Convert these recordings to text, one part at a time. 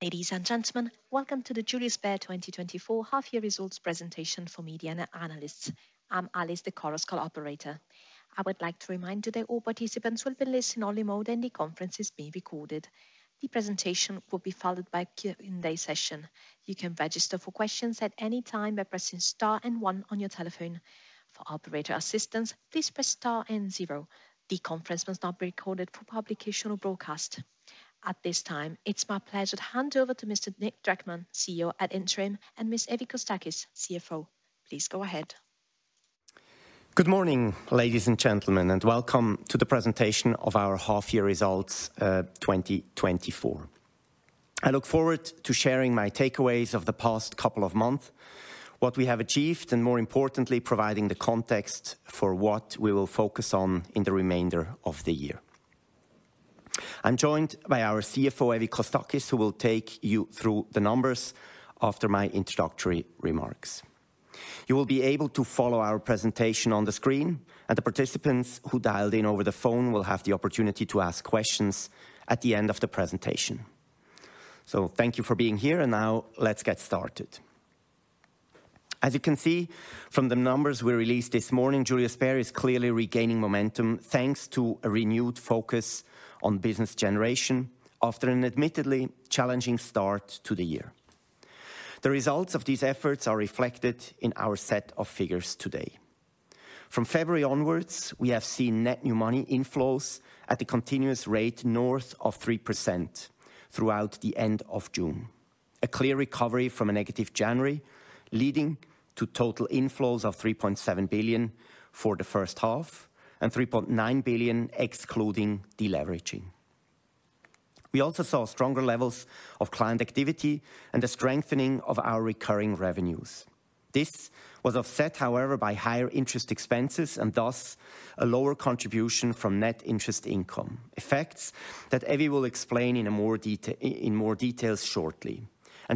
Ladies and gentlemen, welcome to the Julius Baer 2024 half-year results presentation for Media and Analysts. I'm Alice from Chorus Call. I would like to remind you that all participants will be in listening-only mode, and the conference is being recorded. The presentation will be followed by a Q&A session. You can register for questions at any time by pressing Star and 1 on your telephone. For operator assistance, please press Star and 0. The conference must not be recorded for publication or broadcast. At this time, it's my pleasure to hand over to Mr. Nic Dreckmann, CEO ad interim, and Ms. Evie Kostakis, CFO. Please go ahead. Good morning, ladies and gentlemen, and welcome to the presentation of our half-year results 2024. I look forward to sharing my takeaways of the past couple of months, what we have achieved, and more importantly, providing the context for what we will focus on in the remainder of the year. I'm joined by our CFO, Evie Kostakis, who will take you through the numbers after my introductory remarks. You will be able to follow our presentation on the screen, and the participants who dialed in over the phone will have the opportunity to ask questions at the end of the presentation. So thank you for being here, and now let's get started. As you can see from the numbers we released this morning, Julius Baer is clearly regaining momentum thanks to a renewed focus on business generation after an admittedly challenging start to the year. The results of these efforts are reflected in our set of figures today. From February onwards, we have seen net new money inflows at a continuous rate north of 3% throughout the end of June, a clear recovery from a negative January, leading to total inflows of 3.7 billion for the first half and 3.9 billion excluding deleveraging. We also saw stronger levels of client activity and the strengthening of our recurring revenues. This was offset, however, by higher interest expenses and thus a lower contribution from net interest income, effects that Evie will explain in more detail shortly.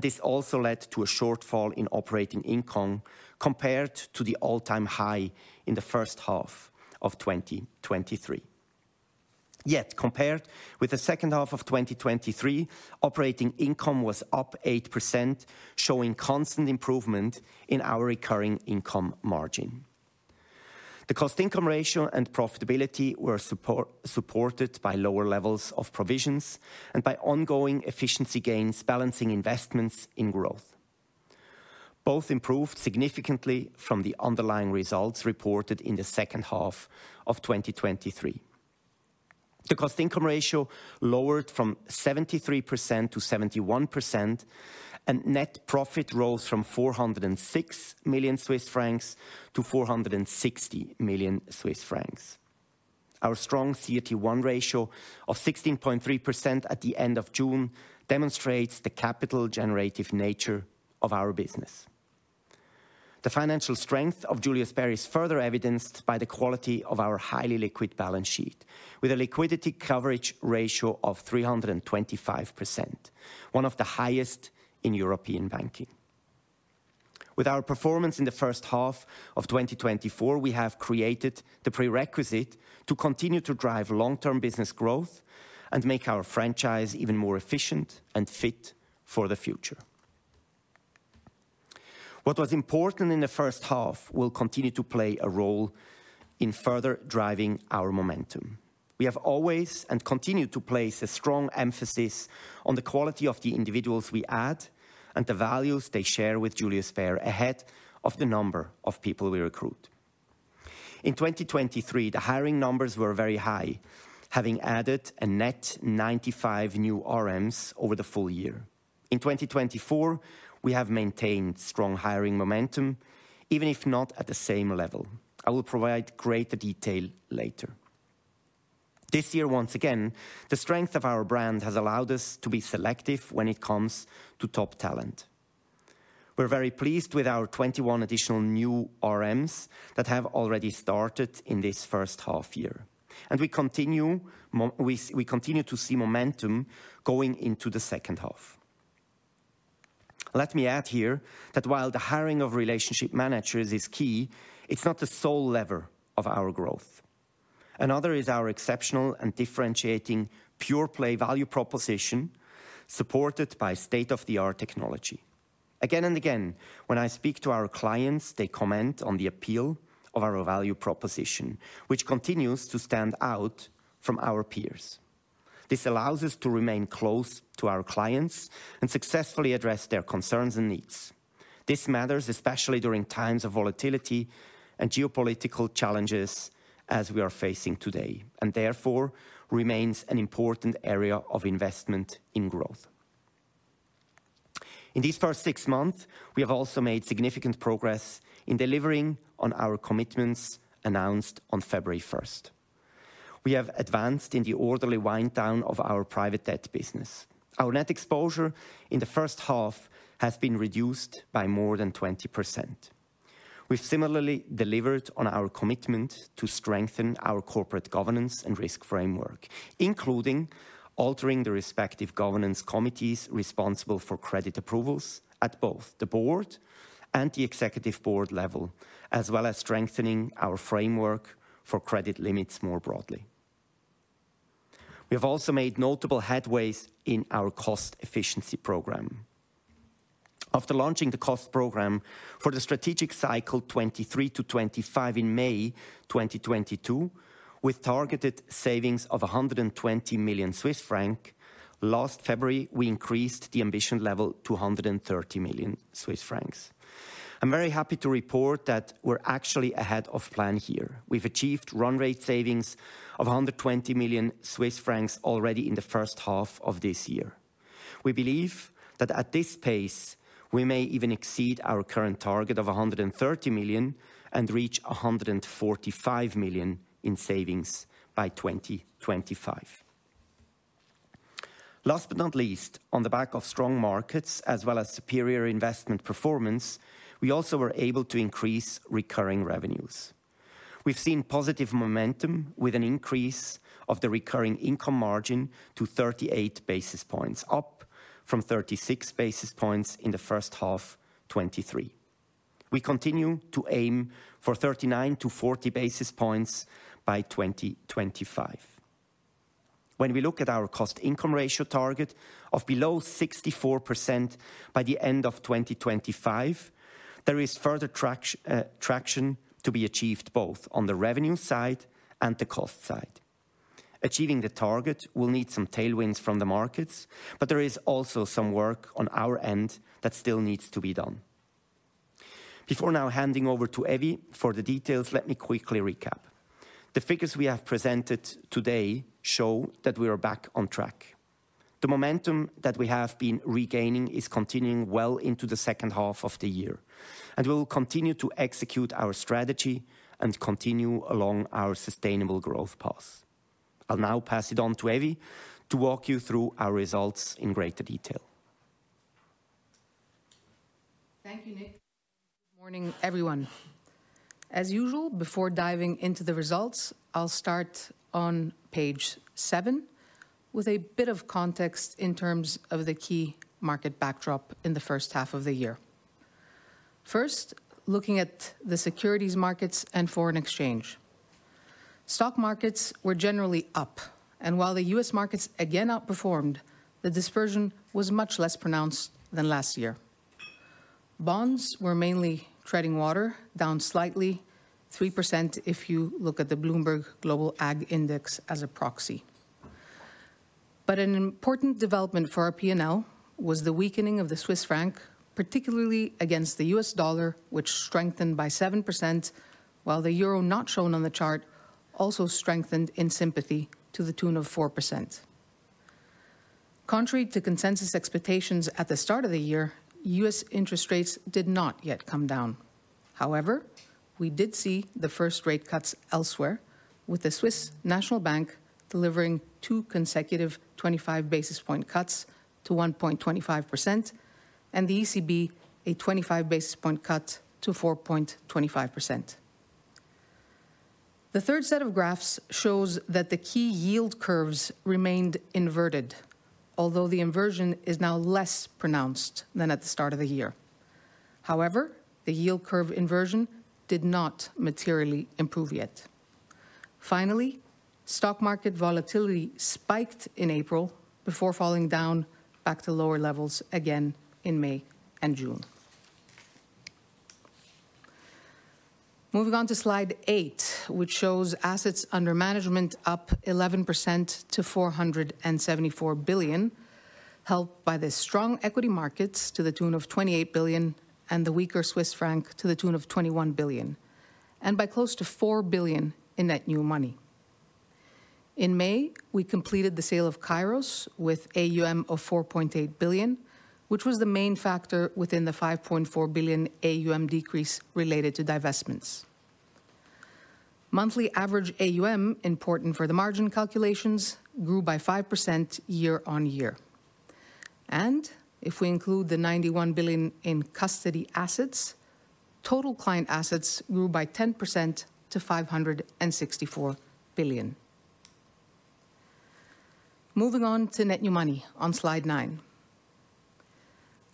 This also led to a shortfall in operating income compared to the all-time high in the first half of 2023. Yet, compared with the second half of 2023, operating income was up 8%, showing constant improvement in our recurring income margin. The cost-income ratio and profitability were supported by lower levels of provisions and by ongoing efficiency gains, balancing investments in growth. Both improved significantly from the underlying results reported in the second half of 2023. The cost-income ratio lowered from 73%-71%, and net profit rose from 406 million-460 million Swiss francs. Our strong CET1 ratio of 16.3% at the end of June demonstrates the capital-generative nature of our business. The financial strength of Julius Baer is further evidenced by the quality of our highly liquid balance sheet, with a liquidity coverage ratio of 325%, one of the highest in European banking. With our performance in the first half of 2024, we have created the prerequisite to continue to drive long-term business growth and make our franchise even more efficient and fit for the future. What was important in the first half will continue to play a role in further driving our momentum. We have always and continue to place a strong emphasis on the quality of the individuals we add and the values they share with Julius Baer ahead of the number of people we recruit. In 2023, the hiring numbers were very high, having added a net 95 new RMs over the full year. In 2024, we have maintained strong hiring momentum, even if not at the same level. I will provide greater detail later. This year, once again, the strength of our brand has allowed us to be selective when it comes to top talent. We're very pleased with our 21 additional new RMs that have already started in this first half year, and we continue to see momentum going into the second half. Let me add here that while the hiring of relationship managers is key, it's not the sole lever of our growth. Another is our exceptional and differentiating pure-play value proposition supported by state-of-the-art technology. Again and again, when I speak to our clients, they comment on the appeal of our value proposition, which continues to stand out from our peers. This allows us to remain close to our clients and successfully address their concerns and needs. This matters especially during times of volatility and geopolitical challenges as we are facing today and therefore remains an important area of investment in growth. In these first six months, we have also made significant progress in delivering on our commitments announced on February 1st. We have advanced in the orderly wind-down of our private debt business. Our net exposure in the first half has been reduced by more than 20%. We've similarly delivered on our commitment to strengthen our corporate governance and risk framework, including altering the respective governance committees responsible for credit approvals at both the board and the executive board level, as well as strengthening our framework for credit limits more broadly. We have also made notable headway in our cost efficiency program. After launching the cost program for the strategic cycle 2023 to 2025 in May 2022, with targeted savings of 120 million Swiss francs, last February, we increased the ambition level to 130 million Swiss francs. I'm very happy to report that we're actually ahead of plan here. We've achieved run rate savings of 120 million Swiss francs already in the first half of this year. We believe that at this pace, we may even exceed our current target of 130 million and reach 145 million in savings by 2025. Last but not least, on the back of strong markets as well as superior investment performance, we also were able to increase recurring revenues. We've seen positive momentum with an increase of the recurring income margin to 38 basis points, up from 36 basis points in the first half of 2023. We continue to aim for 39-40 basis points by 2025. When we look at our cost-income ratio target of below 64% by the end of 2025, there is further traction to be achieved both on the revenue side and the cost side. Achieving the target will need some tailwinds from the markets, but there is also some work on our end that still needs to be done. Before now handing over to Evie for the details, let me quickly recap. The figures we have presented today show that we are back on track. The momentum that we have been regaining is continuing well into the second half of the year, and we will continue to execute our strategy and continue along our sustainable growth path. I'll now pass it on to Evie to walk you through our results in greater detail. Thank you, Nic. Good morning, everyone. As usual, before diving into the results, I'll start on page seven with a bit of context in terms of the key market backdrop in the first half of the year. First, looking at the securities markets and foreign exchange. Stock markets were generally up, and while the U.S. markets again outperformed, the dispersion was much less pronounced than last year. Bonds were mainly treading water, down slightly, 3% if you look at the Bloomberg Global Aggregate Index as a proxy. But an important development for our P&L was the weakening of the Swiss franc, particularly against the U.S. dollar, which strengthened by 7%, while the euro, not shown on the chart, also strengthened in sympathy to the tune of 4%. Contrary to consensus expectations at the start of the year, U.S. interest rates did not yet come down. However, we did see the first rate cuts elsewhere, with the Swiss National Bank delivering two consecutive 25 basis point cuts to 1.25% and the ECB a 25 basis point cut to 4.25%. The third set of graphs shows that the key yield curves remained inverted, although the inversion is now less pronounced than at the start of the year. However, the yield curve inversion did not materially improve yet. Finally, stock market volatility spiked in April before falling down back to lower levels again in May and June. Moving on to slide eight, which shows assets under management up 11% to 474 billion, helped by the strong equity markets to the tune of 28 billion and the weaker Swiss franc to the tune of 21 billion, and by close to 4 billion in net new money. In May, we completed the sale of Kairos with AUM of 4.8 billion, which was the main factor within the 5.4 billion AUM decrease related to divestments. Monthly average AUM, important for the margin calculations, grew by 5% year-on-year. If we include the 91 billion in custody assets, total client assets grew by 10% to 564 billion. Moving on to net new money on slide nine.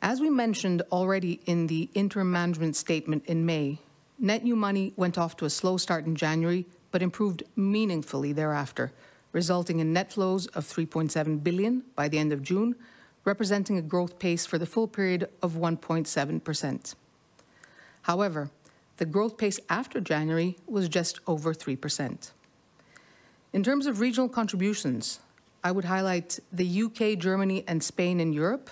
As we mentioned already in the interim management statement in May, net new money went off to a slow start in January but improved meaningfully thereafter, resulting in net flows of 3.7 billion by the end of June, representing a growth pace for the full period of 1.7%. However, the growth pace after January was just over 3%. In terms of regional contributions, I would highlight the UK, Germany, and Spain in Europe,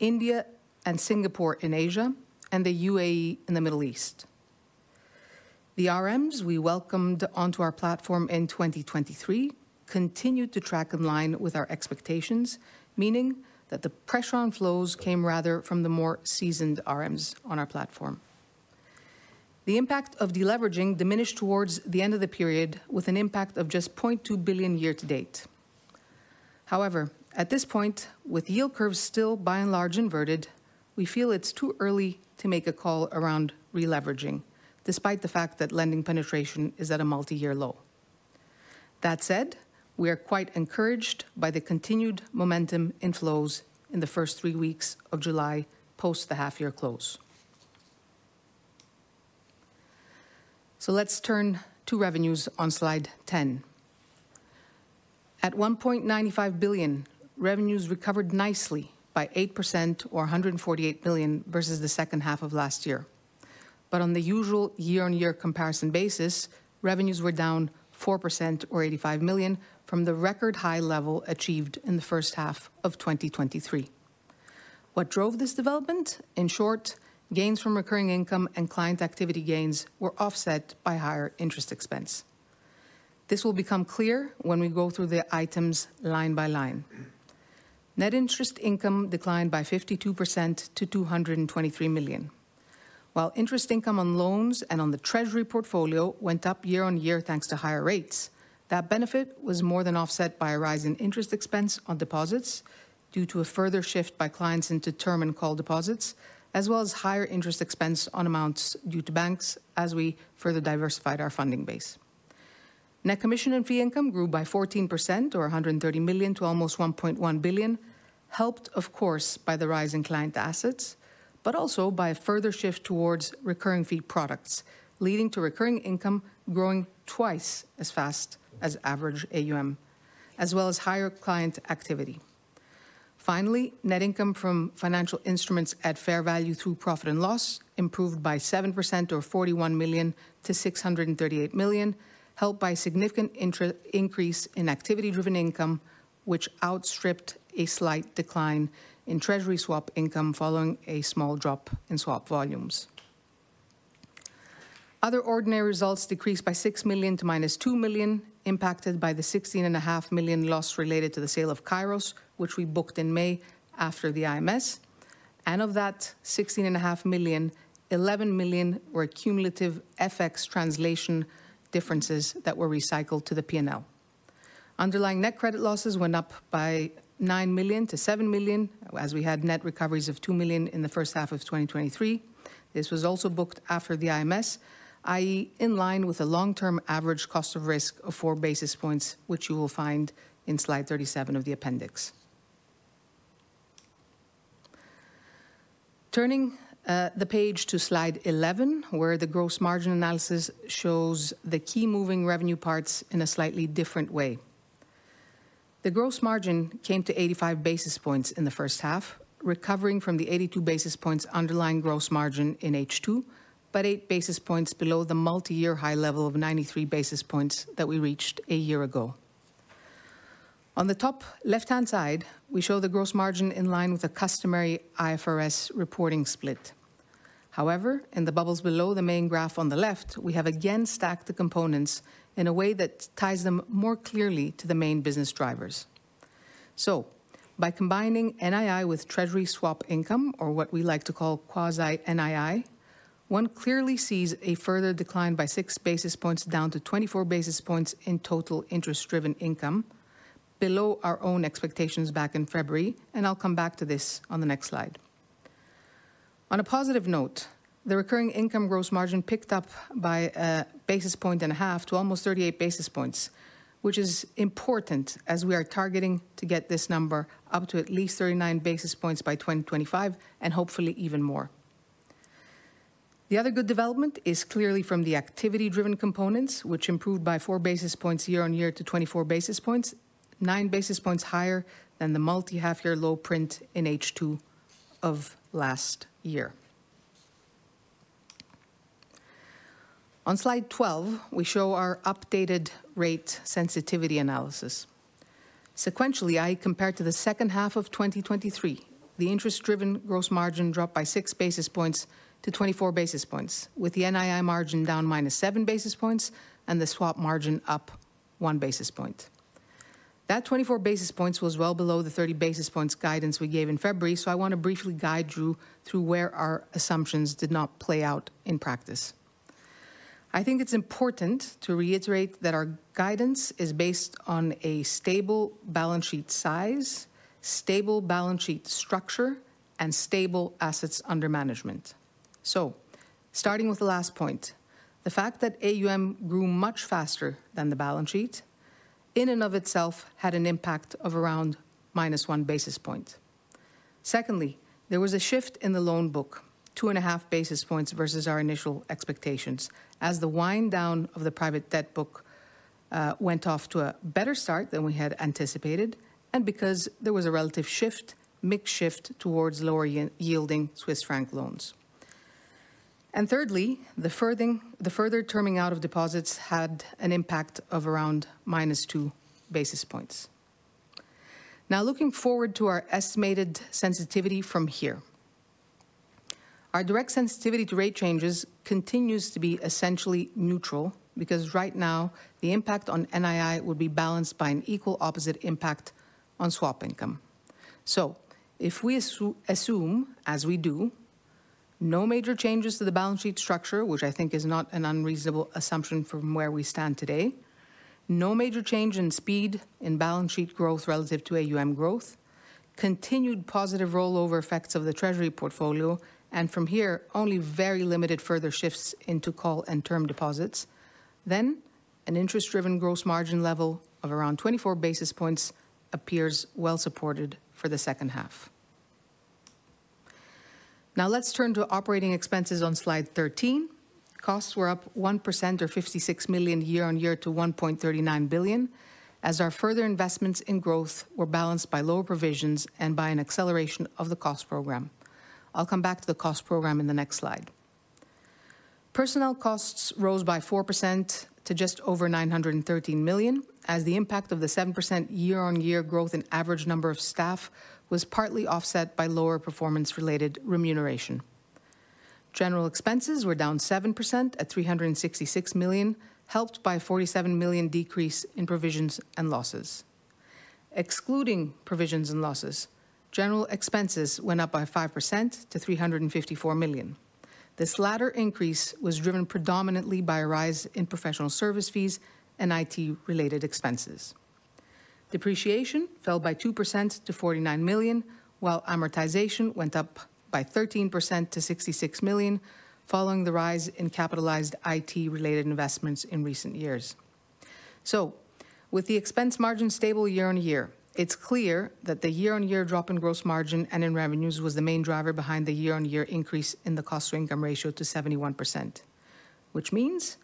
India and Singapore in Asia, and the UAE in the Middle East. The RMs we welcomed onto our platform in 2023 continued to track in line with our expectations, meaning that the pressure on flows came rather from the more seasoned RMs on our platform. The impact of deleveraging diminished towards the end of the period, with an impact of just 0.2 billion year to date. However, at this point, with yield curves still by and large inverted, we feel it's too early to make a call around releveraging, despite the fact that lending penetration is at a multi-year low. That said, we are quite encouraged by the continued momentum in flows in the first three weeks of July post the half-year close. Let's turn to revenues on slide 10. At 1.95 billion, revenues recovered nicely by 8% or 148 million versus the second half of last year. But on the usual year-on-year comparison basis, revenues were down 4% or 85 million from the record high level achieved in the first half of 2023. What drove this development? In short, gains from recurring income and client activity gains were offset by higher interest expense. This will become clear when we go through the items line by line. Net interest income declined by 52% to 223 million. While interest income on loans and on the treasury portfolio went up year-on-year thanks to higher rates, that benefit was more than offset by a rise in interest expense on deposits due to a further shift by clients into term and call deposits, as well as higher interest expense on amounts due to banks as we further diversified our funding base. Net commission and fee income grew by 14% or 130 million to almost 1.1 billion, helped, of course, by the rise in client assets, but also by a further shift towards recurring fee products, leading to recurring income growing twice as fast as average AUM, as well as higher client activity. Finally, net income from financial instruments at fair value through profit and loss improved by 7% or 41 million to 638 million, helped by a significant increase in activity-driven income, which outstripped a slight decline in treasury swap income following a small drop in swap volumes. Other ordinary results decreased by 6 million to minus 2 million, impacted by the 16.5 million loss related to the sale of Kairos, which we booked in May after the IMS. And of that 16.5 million, 11 million were cumulative FX translation differences that were recycled to the P&L. Underlying net credit losses went up by 9 million to 7 million as we had net recoveries of 2 million in the first half of 2023. This was also booked after the IMS, i.e., in line with a long-term average cost of risk of four basis points, which you will find in slide 37 of the appendix. Turning the page to slide 11, where the gross margin analysis shows the key moving revenue parts in a slightly different way. The gross margin came to 85 basis points in the first half, recovering from the 82 basis points underlying gross margin in H2, but eight basis points below the multi-year high level of 93 basis points that we reached a year ago. On the top left-hand side, we show the gross margin in line with a customary IFRS reporting split. However, in the bubbles below the main graph on the left, we have again stacked the components in a way that ties them more clearly to the main business drivers. So, by combining NII with treasury swap income, or what we like to call quasi-NII, one clearly sees a further decline by 6 basis points down to 24 basis points in total interest-driven income below our own expectations back in February, and I'll come back to this on the next slide. On a positive note, the recurring income gross margin picked up by 1.5 basis points to almost 38 basis points, which is important as we are targeting to get this number up to at least 39 basis points by 2025 and hopefully even more. The other good development is clearly from the activity-driven components, which improved by 4 basis points year-on-year to 24 basis points, 9 basis points higher than the multi-half-year low print in H2 of last year. On slide 12, we show our updated rate sensitivity analysis. Sequentially, compared to the second half of 2023, the interest-driven gross margin dropped by 6 basis points to 24 basis points, with the NII margin down -7 basis points and the swap margin up 1 basis point. That 24 basis points was well below the 30 basis points guidance we gave in February, so I want to briefly guide you through where our assumptions did not play out in practice. I think it's important to reiterate that our guidance is based on a stable balance sheet size, stable balance sheet structure, and stable assets under management. So, starting with the last point, the fact that AUM grew much faster than the balance sheet in and of itself had an impact of around -1 basis point. Secondly, there was a shift in the loan book, 2.5 basis points versus our initial expectations, as the wind down of the private debt book went off to a better start than we had anticipated, and because there was a relative shift, a mix shift towards lower-yielding Swiss franc loans. And thirdly, the further turning out of deposits had an impact of around -2 basis points. Now, looking forward to our estimated sensitivity from here, our direct sensitivity to rate changes continues to be essentially neutral because right now the impact on NII would be balanced by an equal and opposite impact on swap income. So, if we assume, as we do, no major changes to the balance sheet structure, which I think is not an unreasonable assumption from where we stand today, no major change in speed in balance sheet growth relative to AUM growth, continued positive rollover effects of the treasury portfolio, and from here, only very limited further shifts into call and term deposits, then an interest-driven gross margin level of around 24 basis points appears well supported for the second half. Now, let's turn to operating expenses on slide 13. Costs were up 1% or 56 million year-on-year to 1.39 billion, as our further investments in growth were balanced by lower provisions and by an acceleration of the cost program. I'll come back to the cost program in the next slide. Personnel costs rose by 4% to just over 913 million, as the impact of the 7% year-on-year growth in average number of staff was partly offset by lower performance-related remuneration. General expenses were down 7% at CHF 366 million, helped by a CHF 47 million decrease in provisions and losses. Excluding provisions and losses, general expenses went up by 5% to 354 million. This latter increase was driven predominantly by a rise in professional service fees and IT-related expenses. Depreciation fell by 2% to 49 million, while amortization went up by 13% to 66 million, following the rise in capitalized IT-related investments in recent years. So, with the expense margin stable year-on-year, it's clear that the year-on-year drop in gross margin and in revenues was the main driver behind the year-on-year increase in the cost-to-income ratio to 71%, which means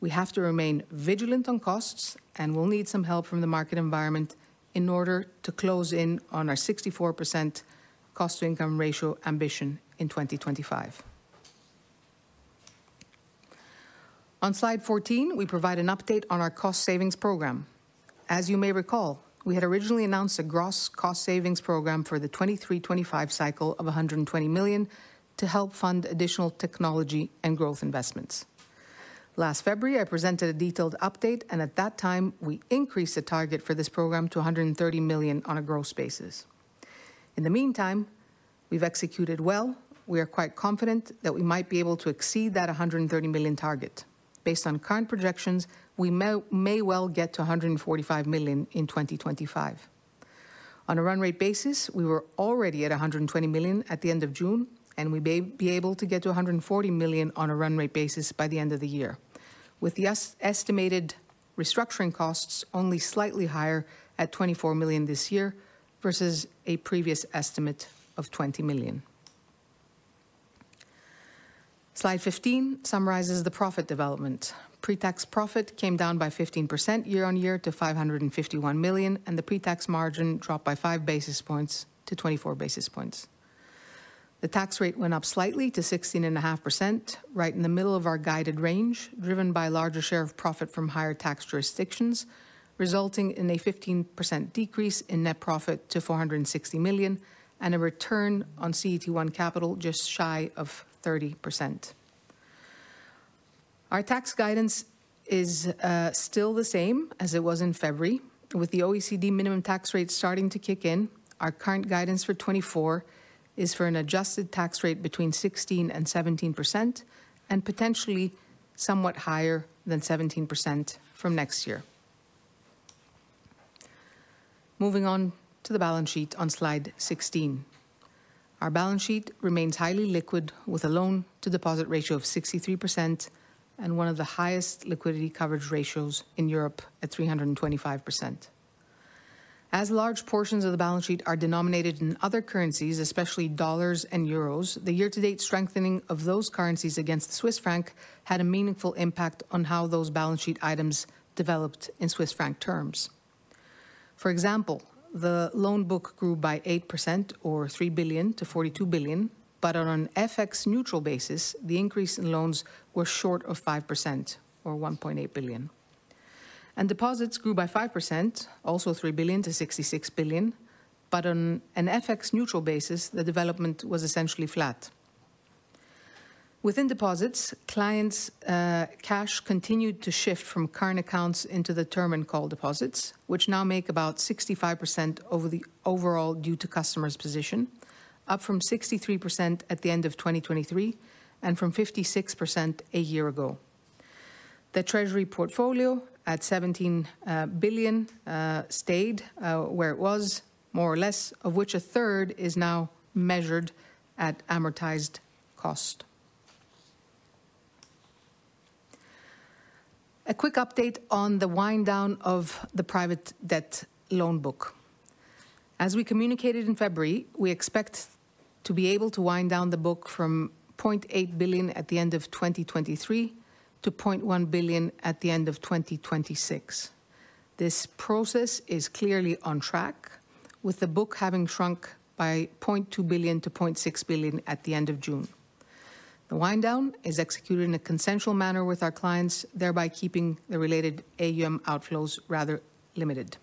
we have to remain vigilant on costs and we'll need some help from the market environment in order to close in on our 64% cost-to-income ratio ambition in 2025. On slide 14, we provide an update on our cost savings program. As you may recall, we had originally announced a gross cost savings program for the 2023-2025 cycle of 120 million to help fund additional technology and growth investments. Last February, I presented a detailed update, and at that time, we increased the target for this program to 130 million on a gross basis. In the meantime, we've executed well. We are quite confident that we might be able to exceed that 130 million target. Based on current projections, we may well get to 145 million in 2025. On a run rate basis, we were already at 120 million at the end of June, and we may be able to get to 140 million on a run rate basis by the end of the year, with the estimated restructuring costs only slightly higher at 24 million this year versus a previous estimate of 20 million. Slide 15 summarizes the profit development. Pretax profit came down by 15% year-on-year to 551 million, and the pretax margin dropped by five basis points to 24 basis points. The tax rate went up slightly to 16.5%, right in the middle of our guided range, driven by a larger share of profit from higher tax jurisdictions, resulting in a 15% decrease in net profit to 460 million and a return on CET1 capital just shy of 30%. Our tax guidance is still the same as it was in February, with the OECD minimum tax rate starting to kick in. Our current guidance for 2024 is for an adjusted tax rate between 16%-17% and potentially somewhat higher than 17% from next year. Moving on to the balance sheet on slide 16. Our balance sheet remains highly liquid with a loan-to-deposit ratio of 63% and one of the highest liquidity coverage ratios in Europe at 325%. As large portions of the balance sheet are denominated in other currencies, especially US dollars and euros, the year-to-date strengthening of those currencies against the Swiss franc had a meaningful impact on how those balance sheet items developed in Swiss franc terms. For example, the loan book grew by 8% or 3 billion to 42 billion, but on an FX-neutral basis, the increase in loans was short of 5% or 1.8 billion. Deposits grew by 5%, also 3 billion to 66 billion, but on an FX-neutral basis, the development was essentially flat. Within deposits, clients' cash continued to shift from current accounts into the term and call deposits, which now make about 65% of the overall due-to-customers position, up from 63% at the end of 2023 and from 56% a year ago. The treasury portfolio at 17 billion stayed where it was, more or less, of which a third is now measured at amortized cost. A quick update on the wind down of the private debt loan book. As we communicated in February, we expect to be able to wind down the book from 0.8 billion at the end of 2023 to 0.1 billion at the end of 2026. This process is clearly on track, with the book having shrunk by 0.2 billion to 0.6 billion at the end of June. The wind down is executed in a consensual manner with our clients, thereby keeping the related AUM outflows rather limited.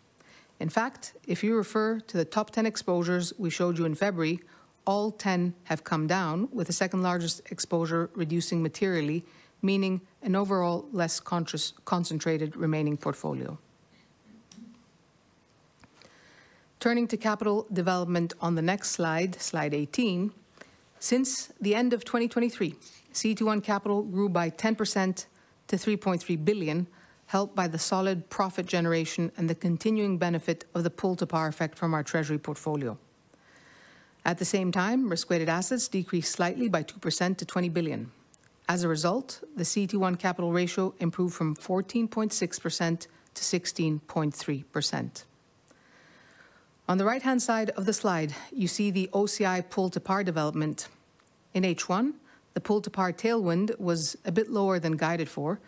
In fact, if you refer to the top 10 exposures we showed you in February, all 10 have come down, with the second largest exposure reducing materially, meaning an overall less concentrated remaining portfolio. Turning to capital development on the next slide, slide 18, since the end of 2023, CET1 capital grew by 10% to 3.3 billion, helped by the solid profit generation and the continuing benefit of the pull-to-par effect from our treasury portfolio. At the same time, risk-weighted assets decreased slightly by 2% to 20 billion. As a result, the CET1 capital ratio improved from 14.6% to 16.3%. On the right-hand side of the slide, you see the OCI pull-to-par development. In H1, the pull-to-par tailwind was a bit lower than guided for,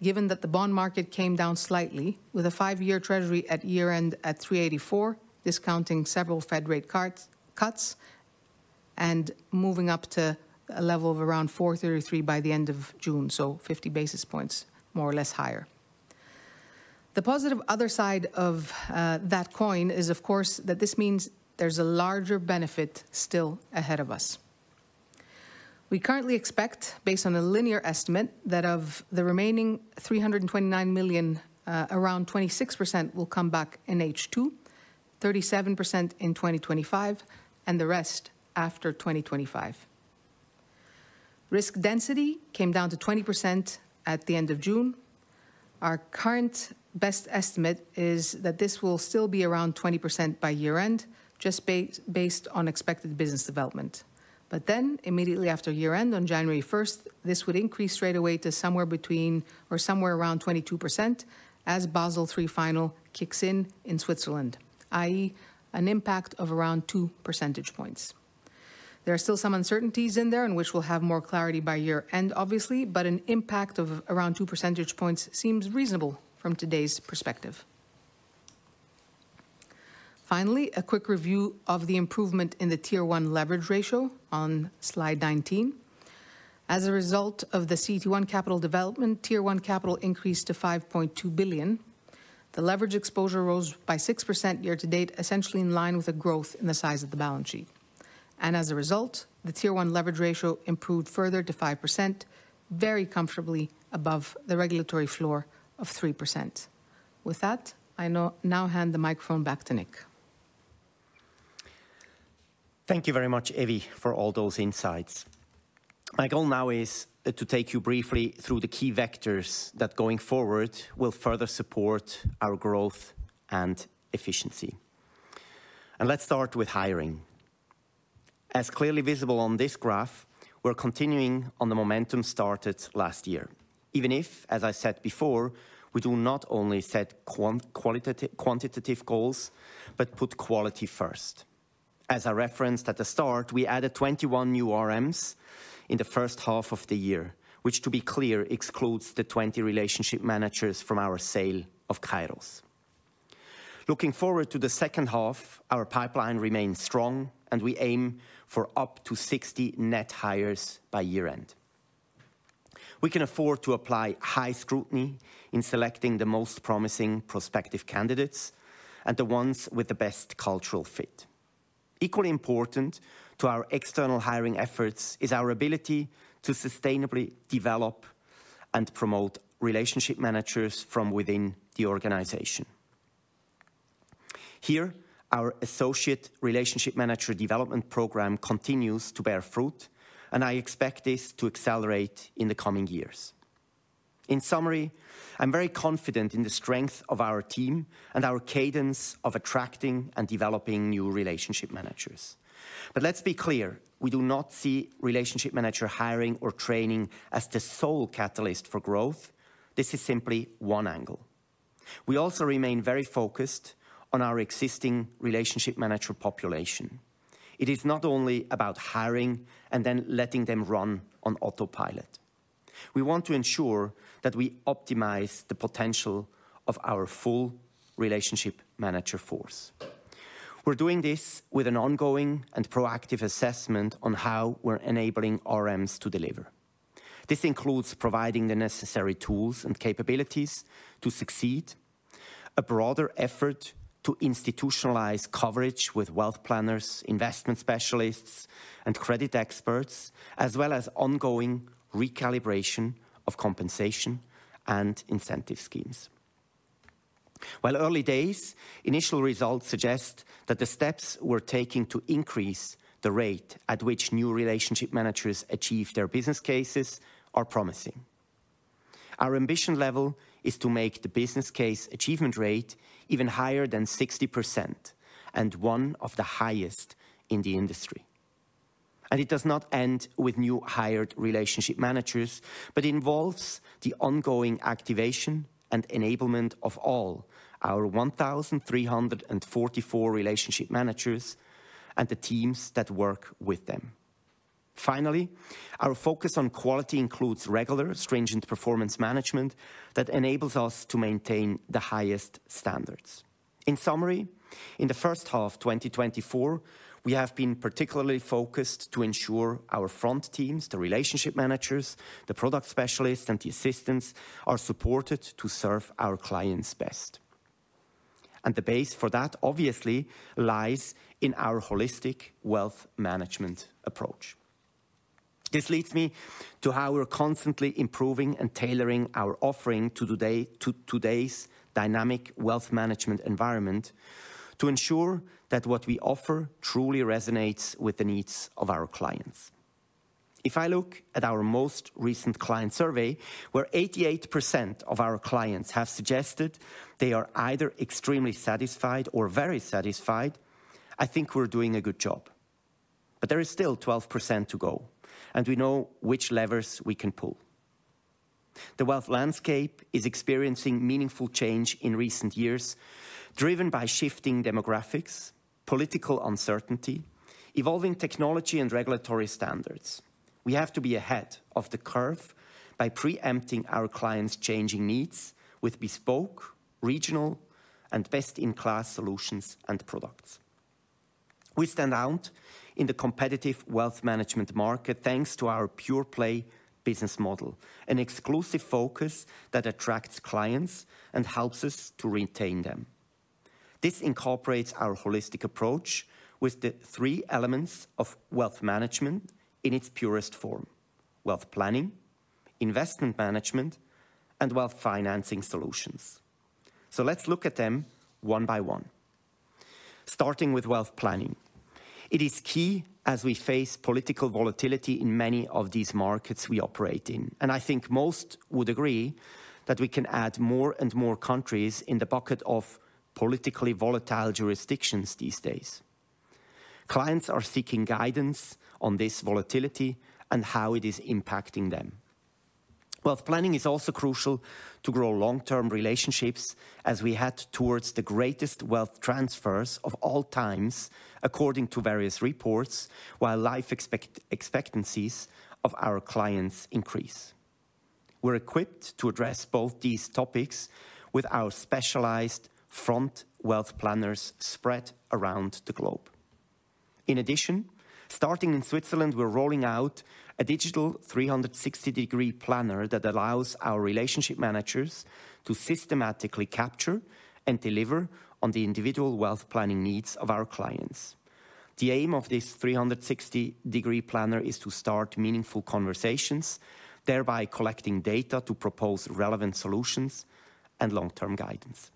given that the bond market came down slightly, with a five-year Treasury at year-end at 384, discounting several Fed rate cuts and moving up to a level of around 433 by the end of June, so 50 basis points more or less higher. The positive other side of that coin is, of course, that this means there's a larger benefit still ahead of us. We currently expect, based on a linear estimate, that of the remaining 329 million, around 26% will come back in H2, 37% in 2025, and the rest after 2025. Risk density came down to 20% at the end of June. Our current best estimate is that this will still be around 20% by year-end, just based on expected business development. But then, immediately after year-end, on January 1st, this would increase straight away to somewhere between or somewhere around 22% as Basel III final kicks in in Switzerland, i.e., an impact of around 2 percentage points. There are still some uncertainties in there on which we'll have more clarity by year-end, obviously, but an impact of around 2 percentage points seems reasonable from today's perspective. Finally, a quick review of the improvement in the Tier 1 leverage ratio on slide 19. As a result of the CET1 capital development, Tier 1 capital increased to 5.2 billion. The leverage exposure rose by 6% year-to-date, essentially in line with a growth in the size of the balance sheet. As a result, the Tier 1 leverage ratio improved further to 5%, very comfortably above the regulatory floor of 3%. With that, I now hand the microphone back to Nic. Thank you very much, Evie, for all those insights. My goal now is to take you briefly through the key vectors that, going forward, will further support our growth and efficiency. Let's start with hiring. As clearly visible on this graph, we're continuing on the momentum started last year, even if, as I said before, we do not only set quantitative goals, but put quality first. As I referenced at the start, we added 21 new RMs in the first half of the year, which, to be clear, excludes the 20 relationship managers from our sale of Kairos. Looking forward to the second half, our pipeline remains strong, and we aim for up to 60 net hires by year-end. We can afford to apply high scrutiny in selecting the most promising prospective candidates and the ones with the best cultural fit. Equally important to our external hiring efforts is our ability to sustainably develop and promote relationship managers from within the organization. Here, our associate relationship manager development program continues to bear fruit, and I expect this to accelerate in the coming years. In summary, I'm very confident in the strength of our team and our cadence of attracting and developing new relationship managers. But let's be clear, we do not see relationship manager hiring or training as the sole catalyst for growth. This is simply one angle. We also remain very focused on our existing relationship manager population. It is not only about hiring and then letting them run on autopilot. We want to ensure that we optimize the potential of our full relationship manager force. We're doing this with an ongoing and proactive assessment on how we're enabling RMs to deliver. This includes providing the necessary tools and capabilities to succeed, a broader effort to institutionalize coverage with wealth planners, investment specialists, and credit experts, as well as ongoing recalibration of compensation and incentive schemes. While early days, initial results suggest that the steps we're taking to increase the rate at which new relationship managers achieve their business cases are promising. Our ambition level is to make the business case achievement rate even higher than 60% and one of the highest in the industry. It does not end with new hired relationship managers, but involves the ongoing activation and enablement of all our 1,344 relationship managers and the teams that work with them. Finally, our focus on quality includes regular, stringent performance management that enables us to maintain the highest standards. In summary, in the first half of 2024, we have been particularly focused to ensure our front teams, the relationship managers, the product specialists, and the assistants are supported to serve our clients best. The base for that, obviously, lies in our holistic wealth management approach. This leads me to how we're constantly improving and tailoring our offering to today's dynamic wealth management environment to ensure that what we offer truly resonates with the needs of our clients. If I look at our most recent client survey, where 88% of our clients have suggested they are either extremely satisfied or very satisfied, I think we're doing a good job. But there is still 12% to go, and we know which levers we can pull. The wealth landscape is experiencing meaningful change in recent years, driven by shifting demographics, political uncertainty, evolving technology, and regulatory standards. We have to be ahead of the curve by preempting our clients' changing needs with bespoke, regional, and best-in-class solutions and products. We stand out in the competitive wealth management market thanks to our pure-play business model, an exclusive focus that attracts clients and helps us to retain them. This incorporates our holistic approach with the three elements of wealth management in its purest form: wealth planning, investment management, and wealth financing solutions. So let's look at them one by one. Starting with wealth planning, it is key as we face political volatility in many of these markets we operate in. I think most would agree that we can add more and more countries in the bucket of politically volatile jurisdictions these days. Clients are seeking guidance on this volatility and how it is impacting them. Wealth planning is also crucial to grow long-term relationships as we head towards the greatest wealth transfers of all times, according to various reports, while life expectancies of our clients increase. We're equipped to address both these topics with our specialized front wealth planners spread around the globe. In addition, starting in Switzerland, we're rolling out a digital 360-degree planner that allows our relationship managers to systematically capture and deliver on the individual wealth planning needs of our clients. The aim of this 360-degree planner is to start meaningful conversations, thereby collecting data to propose relevant solutions and long-term guidance.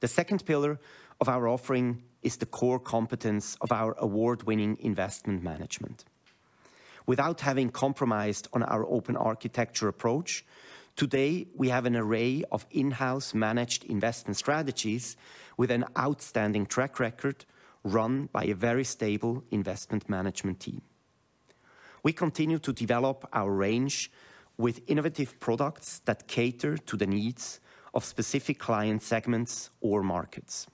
The second pillar of our offering is the core competence of our award-winning investment management. Without having compromised on our open architecture approach, today we have an array of in-house managed investment strategies with an outstanding track record run by a very stable investment management team. We continue to develop our range with innovative products that cater to the needs of specific client segments or markets.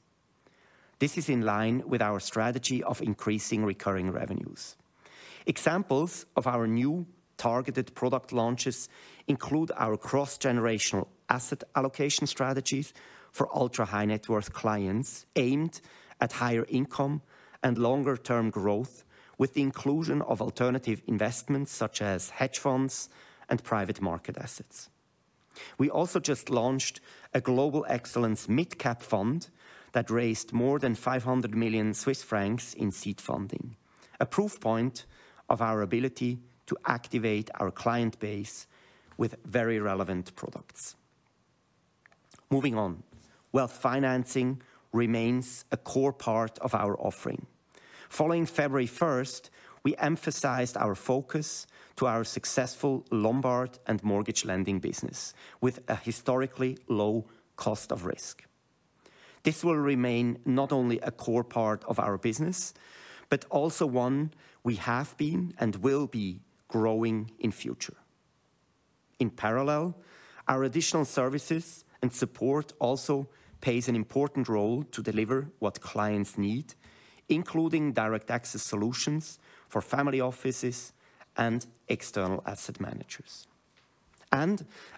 This is in line with our strategy of increasing recurring revenues. Examples of our new targeted product launches include our cross-generational asset allocation strategies for ultra-high net worth clients aimed at higher income and longer-term growth with the inclusion of alternative investments such as hedge funds and private market assets. We also just launched a Global Excellence Mid-Cap Fund that raised more than 500 million Swiss francs in seed funding, a proof point of our ability to activate our client base with very relevant products. Moving on, wealth financing remains a core part of our offering. Following February 1st, we emphasized our focus to our successful Lombard and mortgage lending business with a historically low cost of risk. This will remain not only a core part of our business, but also one we have been and will be growing in future. In parallel, our additional services and support also play an important role to deliver what clients need, including direct access solutions for family offices and external asset managers.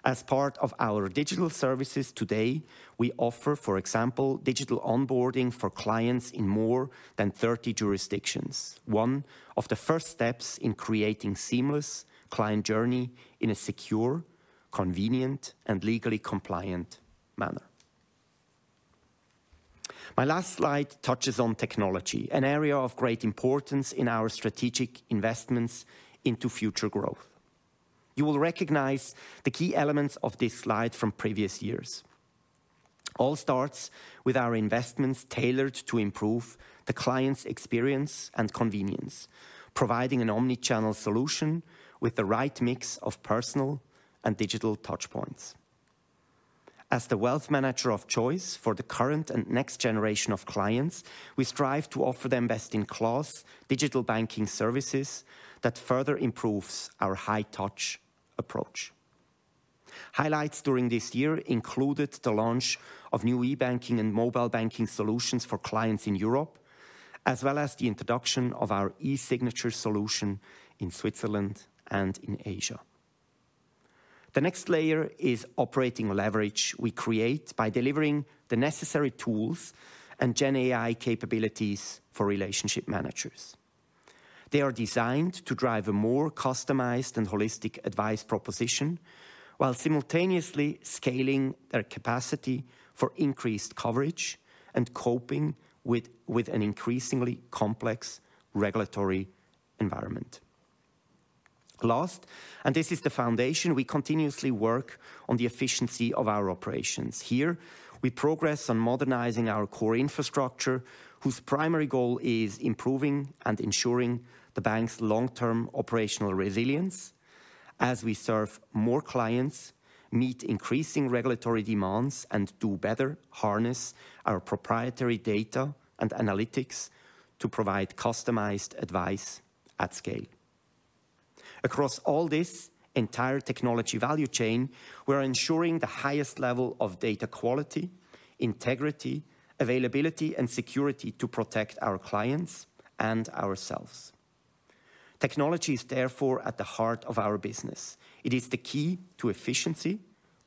As part of our digital services today, we offer, for example, digital onboarding for clients in more than 30 jurisdictions, one of the first steps in creating a seamless client journey in a secure, convenient, and legally compliant manner. My last slide touches on technology, an area of great importance in our strategic investments into future growth. You will recognize the key elements of this slide from previous years. All starts with our investments tailored to improve the client's experience and convenience, providing an omnichannel solution with the right mix of personal and digital touchpoints. As the wealth manager of choice for the current and next generation of clients, we strive to offer them best-in-class digital banking services that further improve our high-touch approach. Highlights during this year included the launch of new e-banking and mobile banking solutions for clients in Europe, as well as the introduction of our e-signature solution in Switzerland and in Asia. The next layer is operating leverage we create by delivering the necessary tools and GenAI capabilities for relationship managers. They are designed to drive a more customized and holistic advice proposition, while simultaneously scaling their capacity for increased coverage and coping with an increasingly complex regulatory environment. Last, and this is the foundation, we continuously work on the efficiency of our operations. Here, we progress on modernizing our core infrastructure, whose primary goal is improving and ensuring the bank's long-term operational resilience as we serve more clients, meet increasing regulatory demands, and do better harness our proprietary data and analytics to provide customized advice at scale. Across all this entire technology value chain, we are ensuring the highest level of data quality, integrity, availability, and security to protect our clients and ourselves. Technology is therefore at the heart of our business. It is the key to efficiency,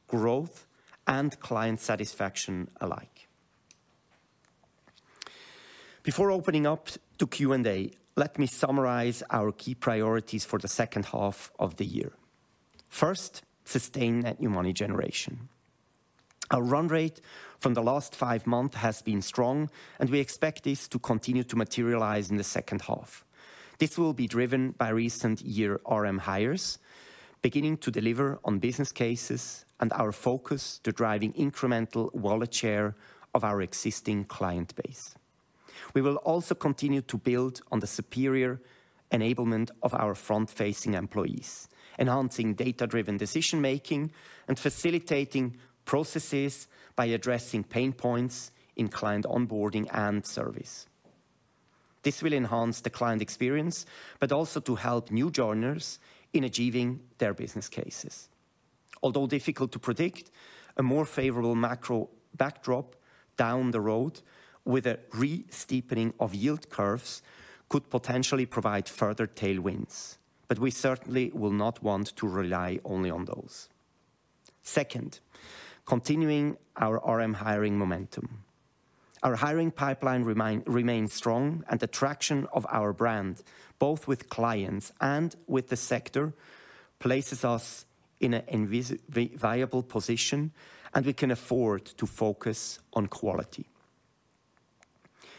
growth, and client satisfaction alike. Before opening up to Q&A, let me summarize our key priorities for the second half of the year. First, sustain that new money generation. Our run rate from the last five months has been strong, and we expect this to continue to materialize in the second half. This will be driven by recent year RM hires beginning to deliver on business cases and our focus to driving incremental wallet share of our existing client base. We will also continue to build on the superior enablement of our front-facing employees, enhancing data-driven decision-making and facilitating processes by addressing pain points in client onboarding and service. This will enhance the client experience, but also to help new joiners in achieving their business cases. Although difficult to predict, a more favorable macro backdrop down the road with a re-steepening of yield curves could potentially provide further tailwinds, but we certainly will not want to rely only on those. Second, continuing our RM hiring momentum. Our hiring pipeline remains strong, and the traction of our brand, both with clients and with the sector, places us in a viable position, and we can afford to focus on quality.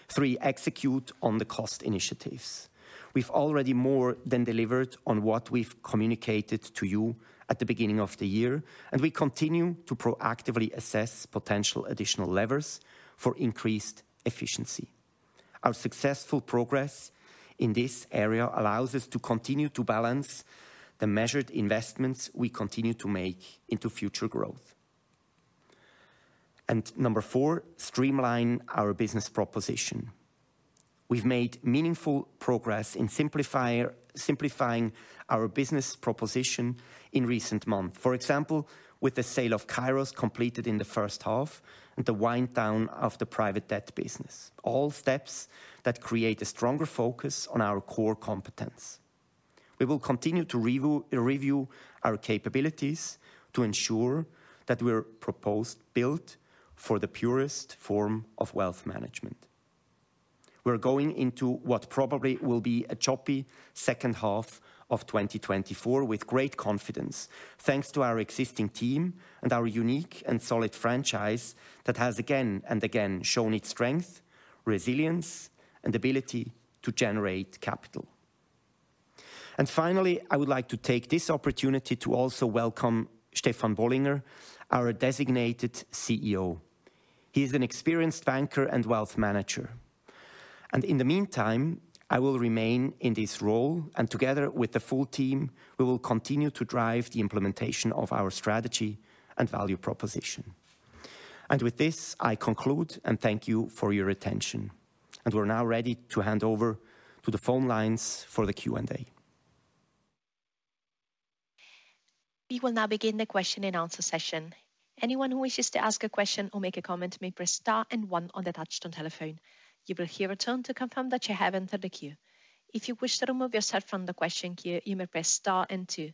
Three, execute on the cost initiatives. We've already more than delivered on what we've communicated to you at the beginning of the year, and we continue to proactively assess potential additional levers for increased efficiency. Our successful progress in this area allows us to continue to balance the measured investments we continue to make into future growth. And number four, streamline our business proposition. We've made meaningful progress in simplifying our business proposition in recent months, for example, with the sale of Kairos completed in the first half and the wind down of the private debt business, all steps that create a stronger focus on our core competence. We will continue to review our capabilities to ensure that we're purpose-built for the purest form of wealth management. We're going into what probably will be a choppy second half of 2024 with great confidence, thanks to our existing team and our unique and solid franchise that has again and again shown its strength, resilience, and ability to generate capital. And finally, I would like to take this opportunity to also welcome Stefan Bollinger, our designated CEO. He is an experienced banker and wealth manager. In the meantime, I will remain in this role, and together with the full team, we will continue to drive the implementation of our strategy and value proposition. With this, I conclude and thank you for your attention. We're now ready to hand over to the phone lines for the Q&A. We will now begin the question-and-answer session. Anyone who wishes to ask a question or make a comment may press star and one on the touch-tone telephone. You will hear a tone to confirm that you have entered the queue. If you wish to remove yourself from the question queue, you may press star and two.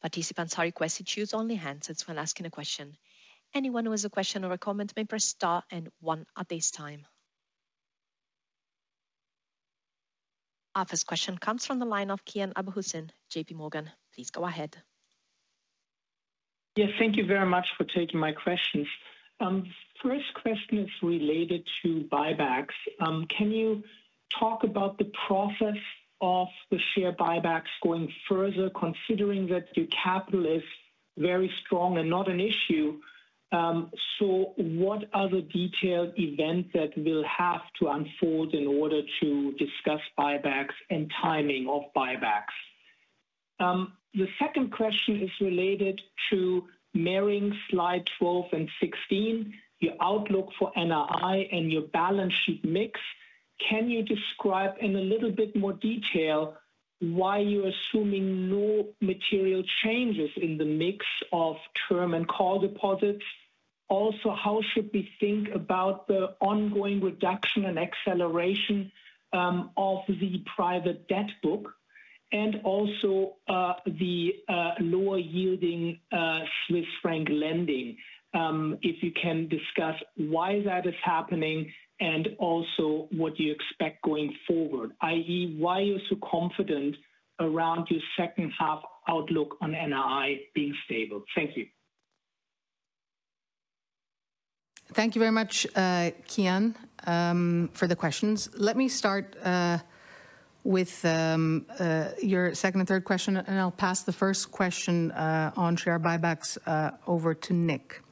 Participants are requested to use only handsets when asking a question. Anyone who has a question or a comment may press star and one at this time. Our first question comes from the line of Kian Abouhossein JPMorgan. Please go ahead. Yes, thank you very much for taking my questions. First question is related to buybacks. Can you talk about the process of the share buybacks going further, considering that your capital is very strong and not an issue? So what are the detailed events that will have to unfold in order to discuss buybacks and timing of buybacks? The second question is related to marrying slides 12 and 16, your outlook for NRI and your balance sheet mix. Can you describe in a little bit more detail why you're assuming no material changes in the mix of term and call deposits? Also, how should we think about the ongoing reduction and acceleration of the private debt book and also the lower-yielding Swiss franc lending? If you can discuss why that is happening and also what you expect going forward, i.e., why you're so confident around your second half outlook on NRI being stable? Thank you. Thank you very much, Kian, for the questions. Let me start with your second and third question, and I'll pass the first question on share buybacks over to Nic.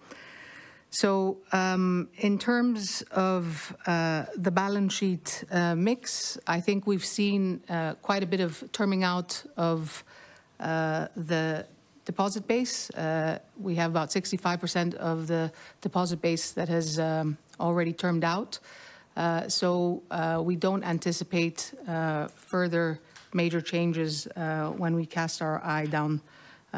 So in terms of the balance sheet mix, I think we've seen quite a bit of terming out of the deposit base. We have about 65% of the deposit base that has already termed out. So we don't anticipate further major changes when we cast our eye down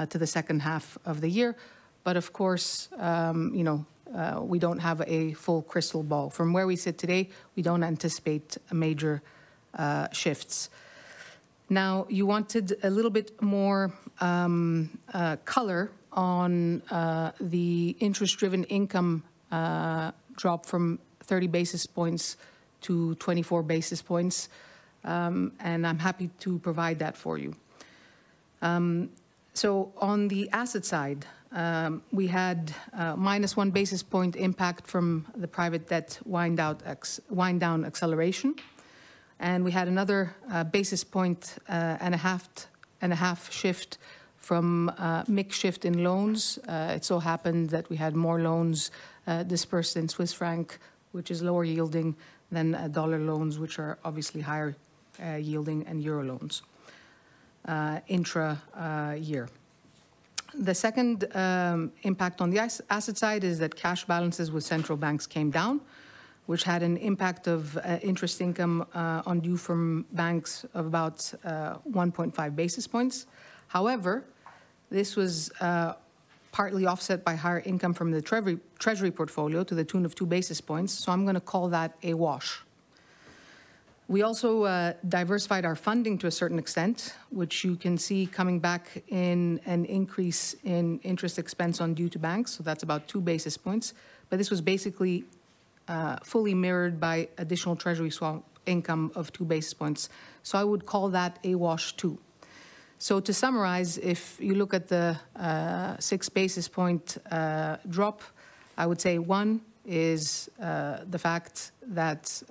to the second half of the year. But of course, we don't have a full crystal ball. From where we sit today, we don't anticipate major shifts. Now, you wanted a little bit more color on the interest-driven income drop from 30 basis points to 24 basis points, and I'm happy to provide that for you. So on the asset side, we had minus 1 basis point impact from the private debt wind-down acceleration, and we had another 1.5 basis point shift from mixed shift in loans. It so happened that we had more loans dispersed in Swiss franc, which is lower-yielding than dollar loans, which are obviously higher-yielding and euro loans intra-year. The second impact on the asset side is that cash balances with central banks came down, which had an impact of interest income on due from banks of about 1.5 basis points. However, this was partly offset by higher income from the Treasury portfolio to the tune of 2 basis points, so I'm going to call that a wash. We also diversified our funding to a certain extent, which you can see coming back in an increase in interest expense on due to banks, so that's about 2 basis points. But this was basically fully mirrored by additional Treasury swap income of 2 basis points, so I would call that a wash too. So to summarize, if you look at the 6 basis point drop, I would say one is the fact that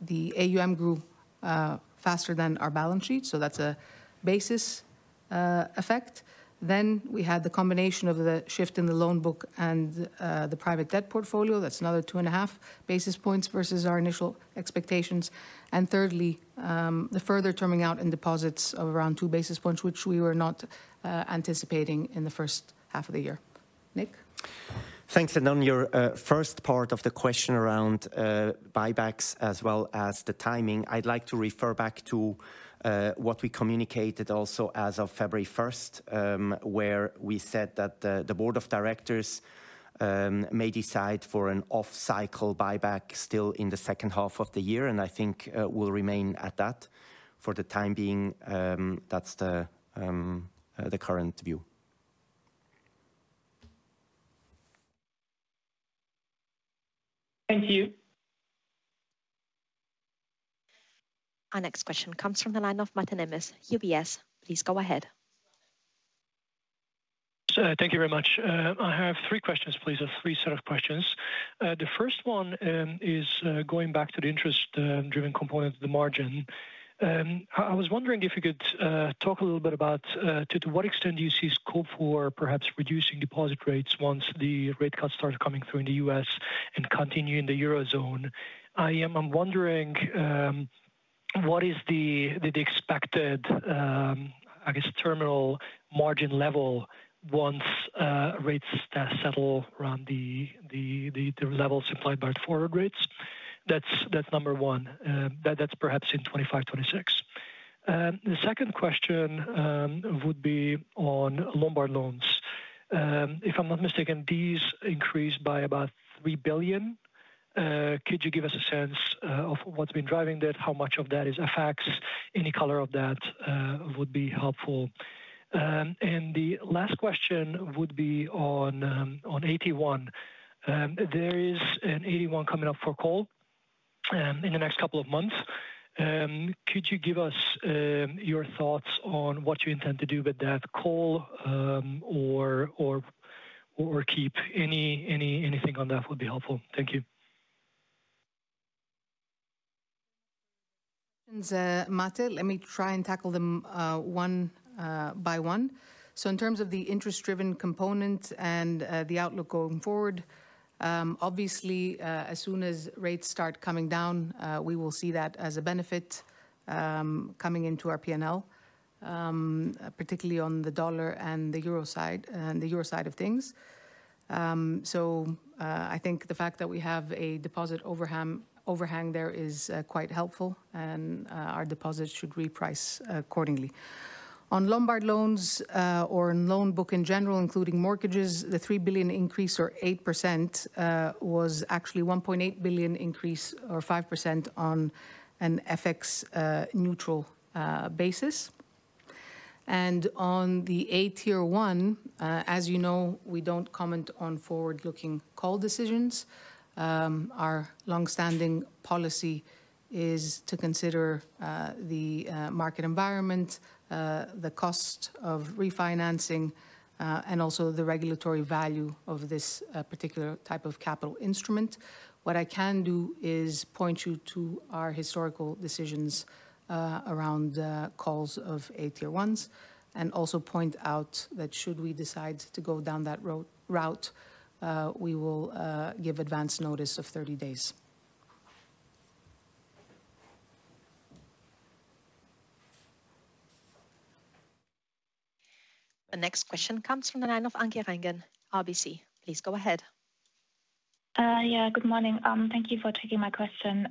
the AUM grew faster than our balance sheet, so that's a basis effect. Then we had the combination of the shift in the loan book and the private debt portfolio. That's another 2.5 basis points versus our initial expectations. And thirdly, the further terming out in deposits of around 2 basis points, which we were not anticipating in the first half of the year. Nic? Thanks. On your first part of the question around buybacks as well as the timing, I'd like to refer back to what we communicated also as of February 1st, where we said that the board of directors may decide for an off-cycle buyback still in the second half of the year, and I think we'll remain at that for the time being. That's the current view. Thank you. Our next question comes from the line of Mate Nemes, UBS. Please go ahead. Thank you very much. I have three questions, please, or three set of questions. The first one is going back to the interest-driven component, the margin. I was wondering if you could talk a little bit about to what extent do you see scope for perhaps reducing deposit rates once the rate cuts start coming through in the U.S. and continue in the eurozone. I am wondering what is the expected, I guess, terminal margin level once rates settle around the levels implied by forward rates. That's number one. That's perhaps in 2025, 2026. The second question would be on Lombard loans. If I'm not mistaken, these increased by about 3 billion. Could you give us a sense of what's been driving that? How much of that is FX? Any color of that would be helpful. And the last question would be on AT1. There is an AT1 coming up for call in the next couple of months. Could you give us your thoughts on what you intend to do with that call or keep? Anything on that would be helpful. Thank you. Let me try and tackle them one by one. So in terms of the interest-driven component and the outlook going forward, obviously, as soon as rates start coming down, we will see that as a benefit coming into our P&L, particularly on the dollar and the euro side and the euro side of things. So I think the fact that we have a deposit overhang there is quite helpful, and our deposits should reprice accordingly. On Lombard loans or loan book in general, including mortgages, the 3 billion increase or 8% was actually 1.8 billion increase or 5% on an FX neutral basis. And on the AT1, as you know, we don't comment on forward-looking call decisions. Our long-standing policy is to consider the market environment, the cost of refinancing, and also the regulatory value of this particular type of capital instrument. What I can do is point you to our historical decisions around calls of AT1s and also point out that should we decide to go down that route, we will give advance notice of 30 days. The next question comes from the line of Anke Reingen, RBC. Please go ahead. Yeah, good morning. Thank you for taking my question.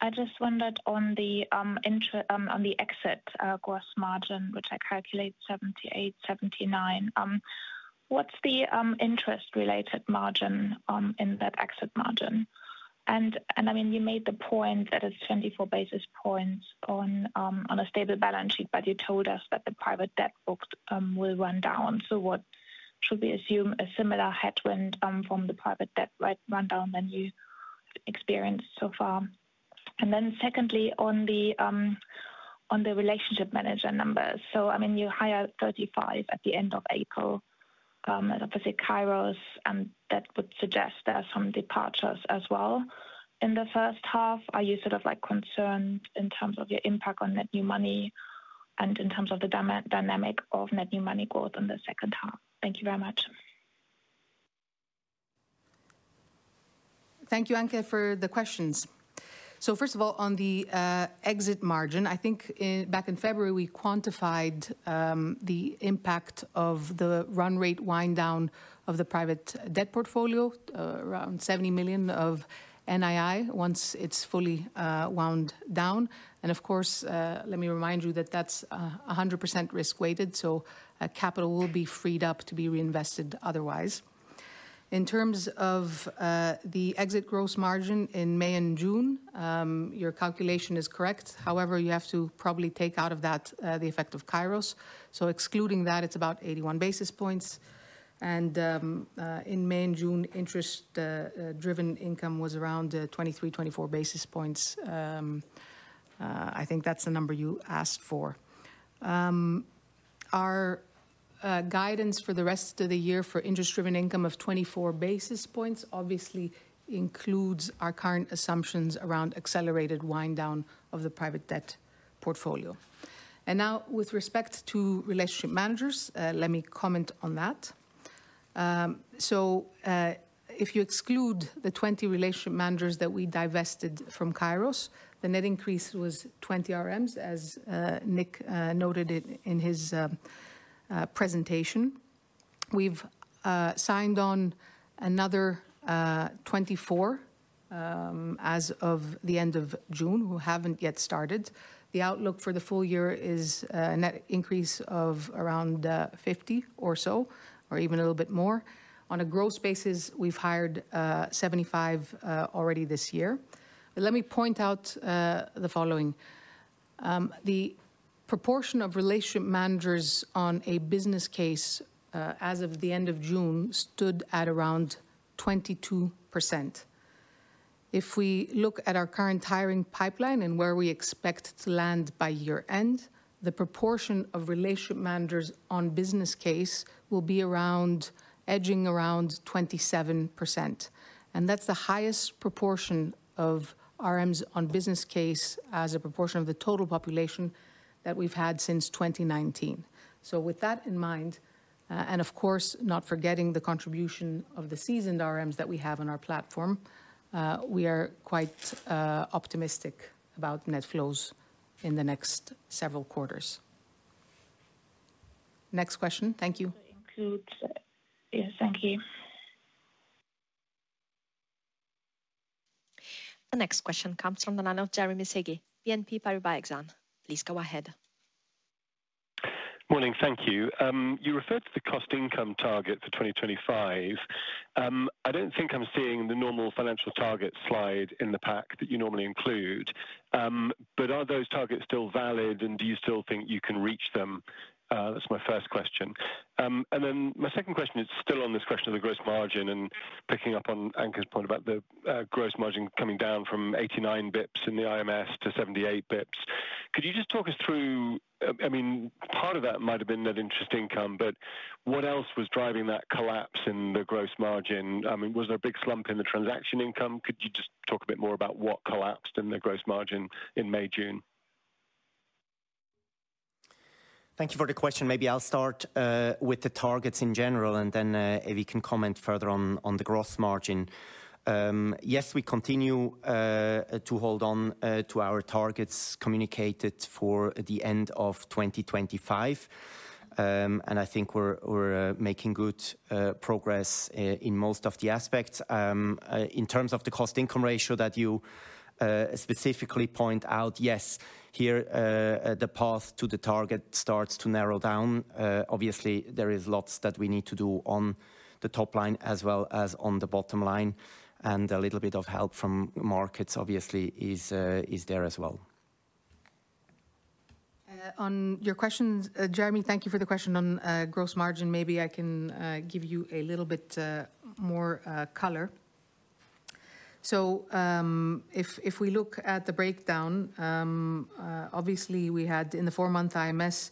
I just wondered on the exit gross margin, which I calculate 78-79. What's the interest-related margin in that exit margin? And I mean, you made the point that it's 24 basis points on a stable balance sheet, but you told us that the private debt book will run down. So should we assume a similar headwind from the private debt book rundown than you experienced so far? Then secondly, on the relationship manager numbers, so I mean, you hire 35 at the end of April, and obviously Kairos, and that would suggest there are some departures as well in the first half. Are you sort of concerned in terms of your impact on net new money and in terms of the dynamic of net new money growth in the second half? Thank you very much. Thank you, Anke, for the questions. So first of all, on the net margin, I think back in February, we quantified the impact of the run rate wind down of the private debt portfolio, around 70 million of NII once it's fully wound down. And of course, let me remind you that that's 100% risk-weighted, so capital will be freed up to be reinvested otherwise. In terms of the net gross margin in May and June, your calculation is correct. However, you have to probably take out of that the effect of Kairos. So excluding that, it's about 81 basis points. In May and June, interest-driven income was around 23, 24 basis points. I think that's the number you asked for. Our guidance for the rest of the year for interest-driven income of 24 basis points obviously includes our current assumptions around accelerated wind down of the private debt portfolio. Now, with respect to relationship managers, let me comment on that. So if you exclude the 20 relationship managers that we divested from Kairos, the net increase was 20 RMs, as Nic noted in his presentation. We've signed on another 24 as of the end of June who haven't yet started. The outlook for the full year is a net increase of around 50 or so, or even a little bit more. On a gross basis, we've hired 75 already this year. But let me point out the following. The proportion of relationship managers on a business case as of the end of June stood at around 22%. If we look at our current hiring pipeline and where we expect to land by year end, the proportion of relationship managers on business case will be edging around 27%. That's the highest proportion of RMs on business case as a proportion of the total population that we've had since 2019. With that in mind, and of course, not forgetting the contribution of the seasoned RMs that we have on our platform, we are quite optimistic about net flows in the next several quarters. Next question. Thank you. Yes, thank you. The next question comes from the line of Jeremy Sigee, BNP Paribas Exane. Please go ahead Morning. Thank you. You referred to the cost income target for 2025. I don't think I'm seeing the normal financial target slide in the pack that you normally include. But are those targets still valid, and do you still think you can reach them? That's my first question. And then my second question is still on this question of the gross margin and picking up on Anke's point about the gross margin coming down from 89 bp in the IMS to 78 bp. Could you just talk us through? I mean, part of that might have been net interest income, but what else was driving that collapse in the gross margin? I mean, was there a big slump in the transaction income? Could you just talk a bit more about what collapsed in the gross margin in May, June? Thank you for the question. Maybe I'll start with the targets in general, and then if you can comment further on the gross margin. Yes, we continue to hold on to our targets communicated for the end of 2025, and I think we're making good progress in most of the aspects. In terms of the cost-income ratio that you specifically point out, yes, here the path to the target starts to narrow down. Obviously, there is lots that we need to do on the top line as well as on the bottom line, and a little bit of help from markets, obviously, is there as well. On your questions, Jeremy, thank you for the question on gross margin. Maybe I can give you a little bit more color. So if we look at the breakdown, obviously, we had in the four-month IMS,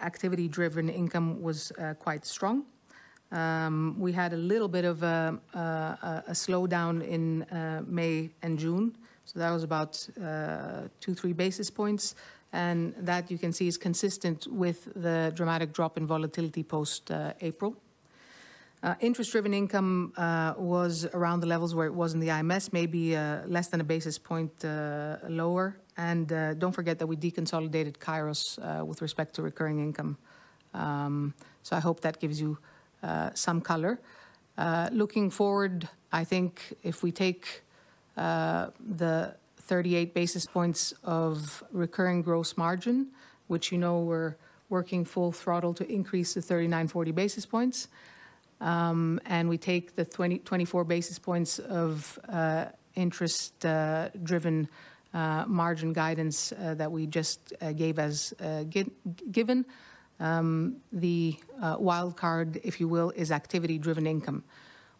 activity-driven income was quite strong. We had a little bit of a slowdown in May and June, so that was about 2-3 basis points. And that, you can see, is consistent with the dramatic drop in volatility post-April. Interest-driven income was around the levels where it was in the IMS, maybe less than a basis point lower. And don't forget that we deconsolidated Kairos with respect to recurring income. So I hope that gives you some color. Looking forward, I think if we take the 38 basis points of recurring gross margin, which you know we're working full throttle to increase to 39-40 basis points, and we take the 24 basis points of interest-driven margin guidance that we just gave as given, the wild card, if you will, is activity-driven income.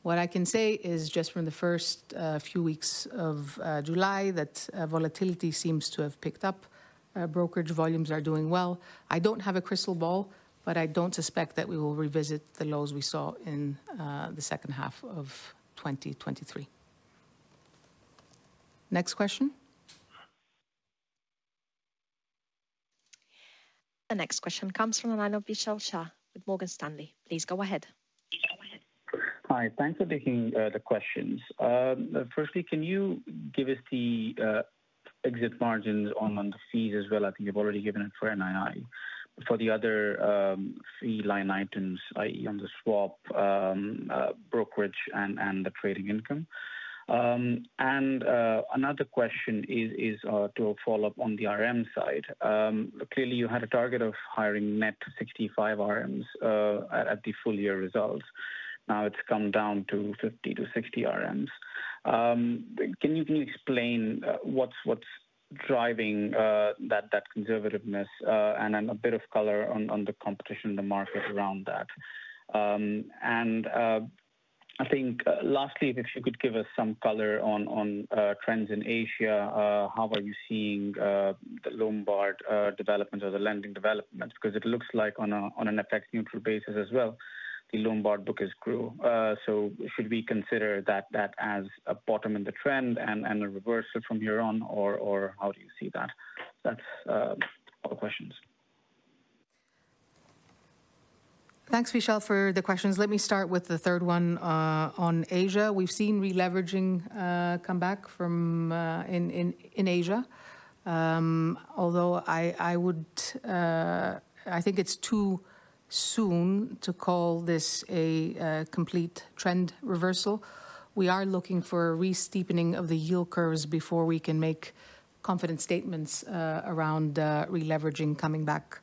What I can say is just from the first few weeks of July that volatility seems to have picked up. Brokerage volumes are doing well. I don't have a crystal ball, but I don't suspect that we will revisit the lows we saw in the second half of 2023. Next question. The next question comes from the line of Mihir Shah with Morgan Stanley. Please go ahead. Hi. Thanks for taking the questions. Firstly, can you give us the exit margins on the fees as well? I think you've already given it for NII. For the other fee line items, i.e., on the swap, brokerage, and the trading income. And another question is to follow up on the RM side. Clearly, you had a target of hiring net 65 RMs at the full year results. Now it's come down to 50-60 RMs. Can you explain what's driving that conservativeness and a bit of color on the competition in the market around that? I think lastly, if you could give us some color on trends in Asia, how are you seeing the Lombard development or the lending development? Because it looks like on an FX neutral basis as well, the Lombard book has grew, so should we consider that as a bottom in the trend and a reversal from here on, or how do you see that? That's all the questions. Thanks, Mihir, for the questions. Let me start with the third one on Asia. We've seen releveraging come back in Asia, although I think it's too soon to call this a complete trend reversal. We are looking for a re-steepening of the yield curves before we can make confident statements around releveraging coming back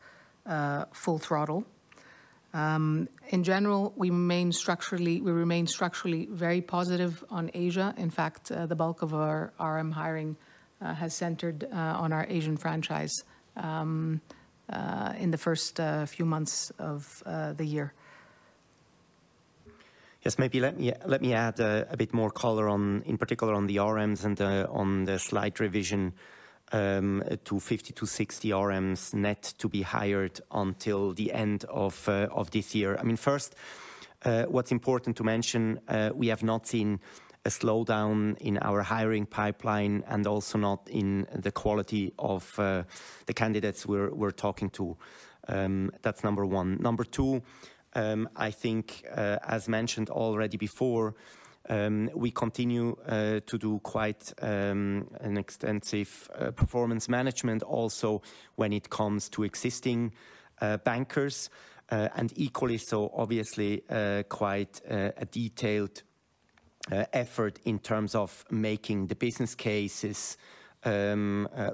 full throttle. In general, we remain structurally very positive on Asia. In fact, the bulk of our RM hiring has centered on our Asian franchise in the first few months of the year. Yes, maybe let me add a bit more color on, in particular on the RMs and on the slight revision to 50-60 RMs net to be hired until the end of this year. I mean, first, what's important to mention, we have not seen a slowdown in our hiring pipeline and also not in the quality of the candidates we're talking to. That's number one. Number two, I think, as mentioned already before, we continue to do quite an extensive performance management also when it comes to existing bankers and equally, so obviously, quite a detailed effort in terms of making the business cases success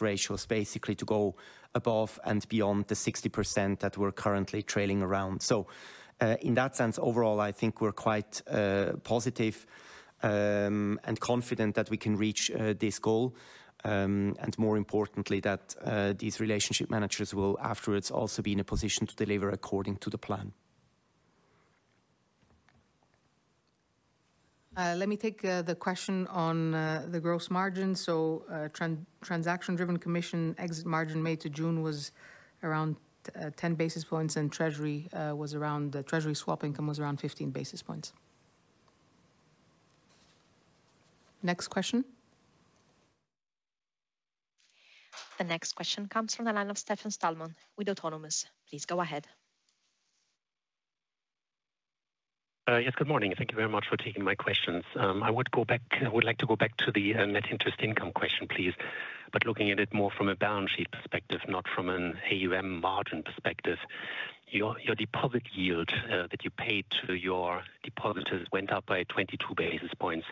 ratios basically to go above and beyond the 60% that we're currently trailing around. So in that sense, overall, I think we're quite positive and confident that we can reach this goal and, more importantly, that these relationship managers will afterwards also be in a position to deliver according to the plan. Let me take the question on the gross margin. So transaction-driven commission exit margin from May to June was around 10 basis points, and treasury swap income was around 15 basis points. Next question. The next question comes from the line of Stefan Stalmann with Autonomous. Please go ahead. Yes, good morning. Thank you very much for taking my questions. I would like to go back to the net interest income question, please, but looking at it more from a balance sheet perspective, not from an AUM margin perspective. Your deposit yield that you paid to your depositors went up by 22 basis points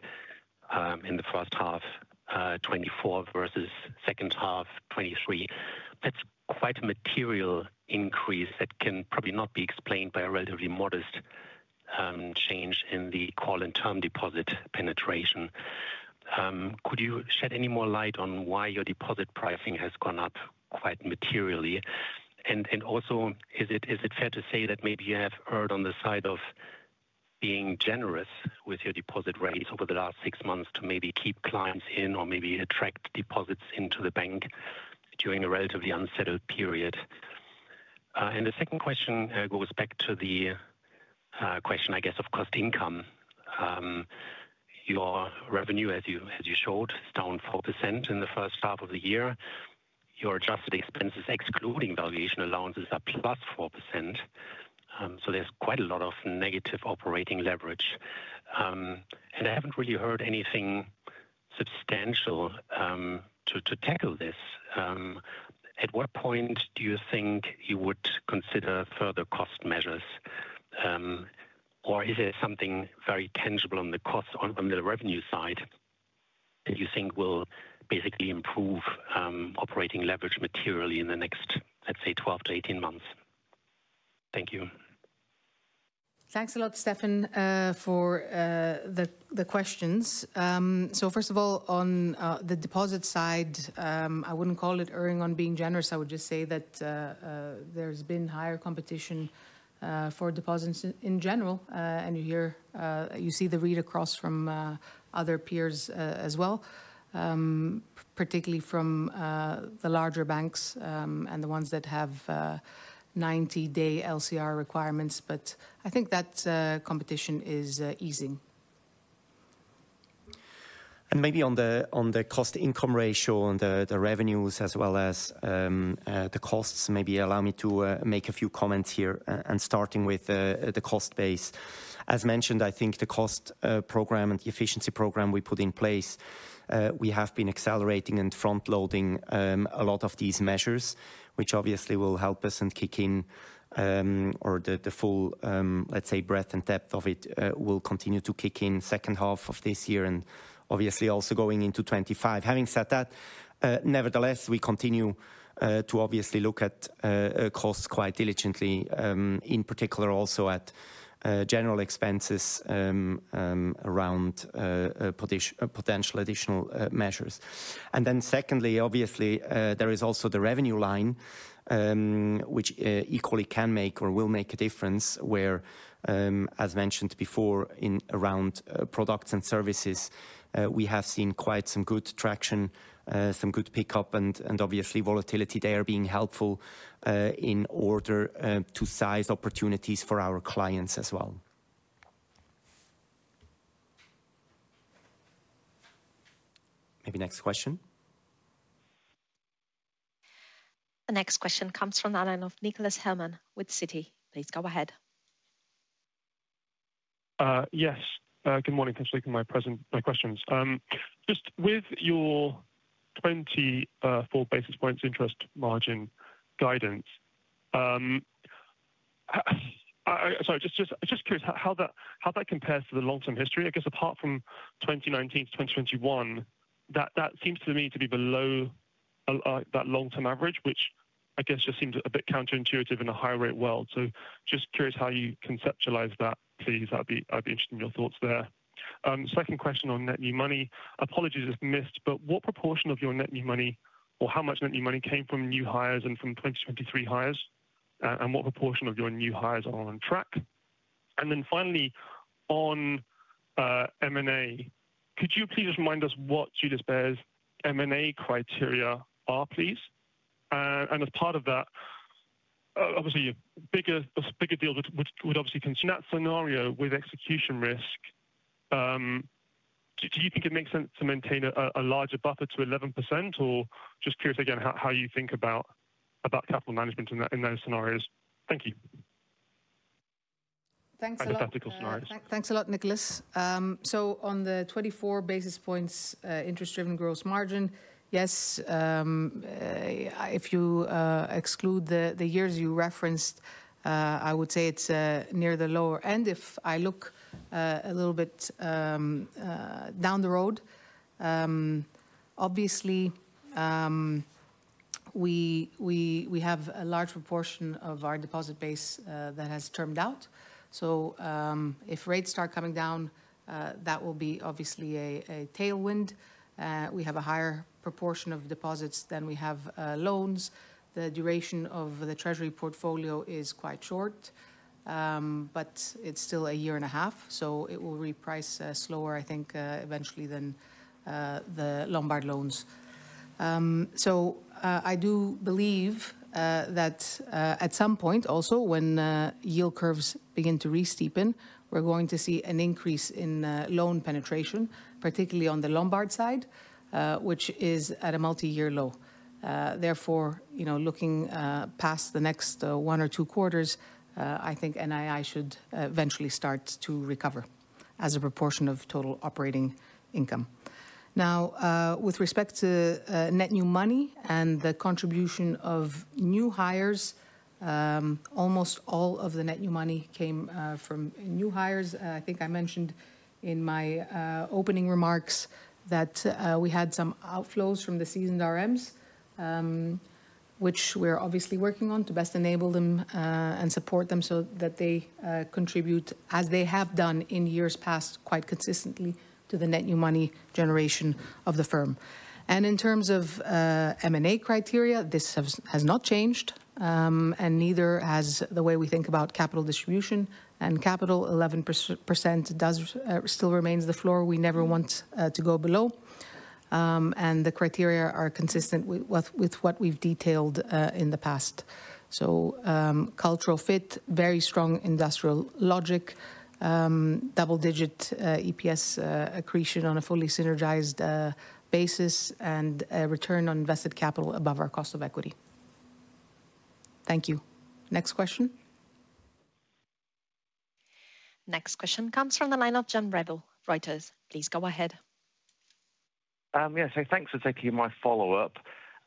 in the first half, 24 versus second half, 23. That's quite a material increase that can probably not be explained by a relatively modest change in the call and term deposit penetration. Could you shed any more light on why your deposit pricing has gone up quite materially? And also, is it fair to say that maybe you have erred on the side of being generous with your deposit rates over the last six months to maybe keep clients in or maybe attract deposits into the bank during a relatively unsettled period? And the second question goes back to the question, I guess, of cost income. Your revenue, as you showed, is down 4% in the first half of the year. Your adjusted expenses, excluding valuation allowances, are +4%. So there's quite a lot of negative operating leverage. And I haven't really heard anything substantial to tackle this. At what point do you think you would consider further cost measures, or is there something very tangible on the revenue side that you think will basically improve operating leverage materially in the next, let's say, 12 to 18 months? Thank you. Thanks a lot, Stefan, for the questions. So first of all, on the deposit side, I wouldn't call it erring on being generous. I would just say that there's been higher competition for deposits in general, and you see the read across from other peers as well, particularly from the larger banks and the ones that have 90-day LCR requirements. But I think that competition is easing. And maybe on the cost-income ratio and the revenues as well as the costs, maybe allow me to make a few comments here. Starting with the cost base, as mentioned, I think the cost program and the efficiency program we put in place, we have been accelerating and front-loading a lot of these measures, which obviously will help us and kick in, or the full, let's say, breadth and depth of it will continue to kick in second half of this year and obviously also going into 2025. Having said that, nevertheless, we continue to obviously look at costs quite diligently, in particular also at general expenses around potential additional measures. Then secondly, obviously, there is also the revenue line, which equally can make or will make a difference where, as mentioned before, around products and services, we have seen quite some good traction, some good pickup, and obviously volatility there being helpful in order to size opportunities for our clients as well. Maybe next question. The next question comes from the line of Nicholas Herman with Citi. Please go ahead. Yes. Good morning. Thanks for taking my questions. Just with your 24 basis points interest margin guidance, sorry, just curious how that compares to the long-term history. I guess apart from 2019 to 2021, that seems to me to be below that long-term average, which I guess just seems a bit counterintuitive in a higher-rate world. So just curious how you conceptualize that, please. I'd be interested in your thoughts there. Second question on net new money. Apologies if missed, but what proportion of your net new money, or how much net new money, came from new hires and from 2023 hires? And what proportion of your new hires are on track? And then finally, on M&A, could you please just remind us what Julius Baer's M&A criteria are, please? As part of that, obviously, bigger deals would obviously. That scenario with execution risk, do you think it makes sense to maintain a larger buffer to 11%, or just curious again how you think about capital management in those scenarios? Thank you. Thanks a lot. And the practical scenarios Thanks a lot, Nicholas. So on the 24 basis points interest-driven gross margin, yes, if you exclude the years you referenced, I would say it's near the lower end. If I look a little bit down the road, obviously, we have a large proportion of our deposit base that has termed out. So if rates start coming down, that will be obviously a tailwind. We have a higher proportion of deposits than we have loans. The duration of the treasury portfolio is quite short, but it's still a year and a half, so it will reprice slower, I think, eventually than the Lombard loans. So I do believe that at some point, also when yield curves begin to re-steepen, we're going to see an increase in loan penetration, particularly on the Lombard side, which is at a multi-year low. Therefore, looking past the next 1 or 2 quarters, I think NII should eventually start to recover as a proportion of total operating income. Now, with respect to net new money and the contribution of new hires, almost all of the net new money came from new hires. I think I mentioned in my opening remarks that we had some outflows from the seasoned RMs, which we're obviously working on to best enable them and support them so that they contribute, as they have done in years past, quite consistently to the net new money generation of the firm. In terms of M&A criteria, this has not changed, and neither has the way we think about capital distribution. Capital, 11%, still remains the floor. We never want to go below. The criteria are consistent with what we've detailed in the past. Cultural fit, very strong industrial logic, double-digit EPS accretion on a fully synergized basis, and return on invested capital above our cost of equity. Thank you. Next question. Next question comes from the line of John Revill, Reuters. Please go ahead. Yes, thanks for taking my follow-up.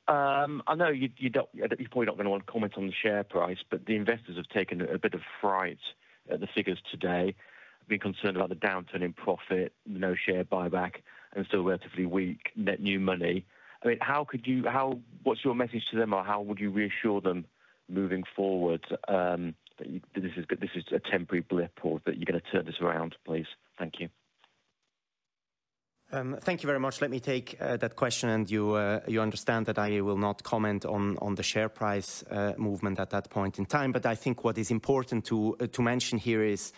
I know you're probably not going to want to comment on the share price, but the investors have taken a bit of fright at the figures today. Be concerned about the downturn in profit, no share buyback, and still relatively weak net new money. I mean, what's your message to them, or how would you reassure them moving forward that this is a temporary blip or that you're going to turn this around, please? Thank you. Thank you very much. Let me take that question, and you understand that I will not comment on the share price movement at that point in time. But I think what is important to mention here is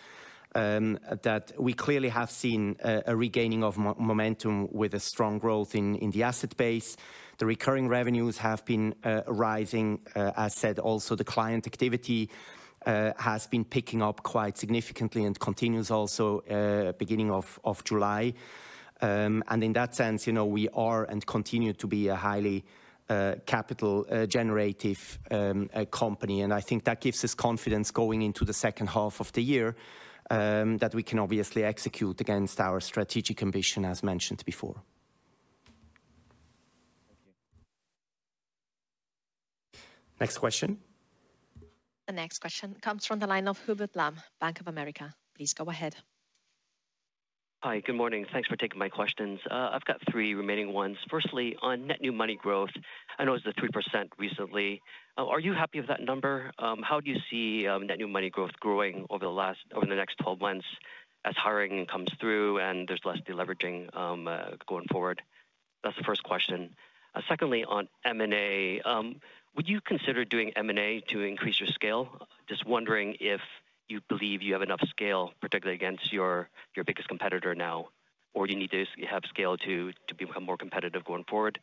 that we clearly have seen a regaining of momentum with a strong growth in the asset base. The recurring revenues have been rising. As said, also the client activity has been picking up quite significantly and continues also beginning of July. And in that sense, we are and continue to be a highly capital-generative company. And I think that gives us confidence going into the second half of the year that we can obviously execute against our strategic ambition, as mentioned before. Next question. The next question comes from the line of Hubert Lam, Bank of America. Please go ahead. Hi, good morning. Thanks for taking my questions. I've got three remaining ones. Firstly, on net new money growth, I know it was the 3% recently. Are you happy with that number? How do you see net new money growth growing over the next 12 months as hiring comes through and there's less deleveraging going forward? That's the first question. Secondly, on M&A, would you consider doing M&A to increase your scale? Just wondering if you believe you have enough scale, particularly against your biggest competitor now, or you need to have scale to become more competitive going forward.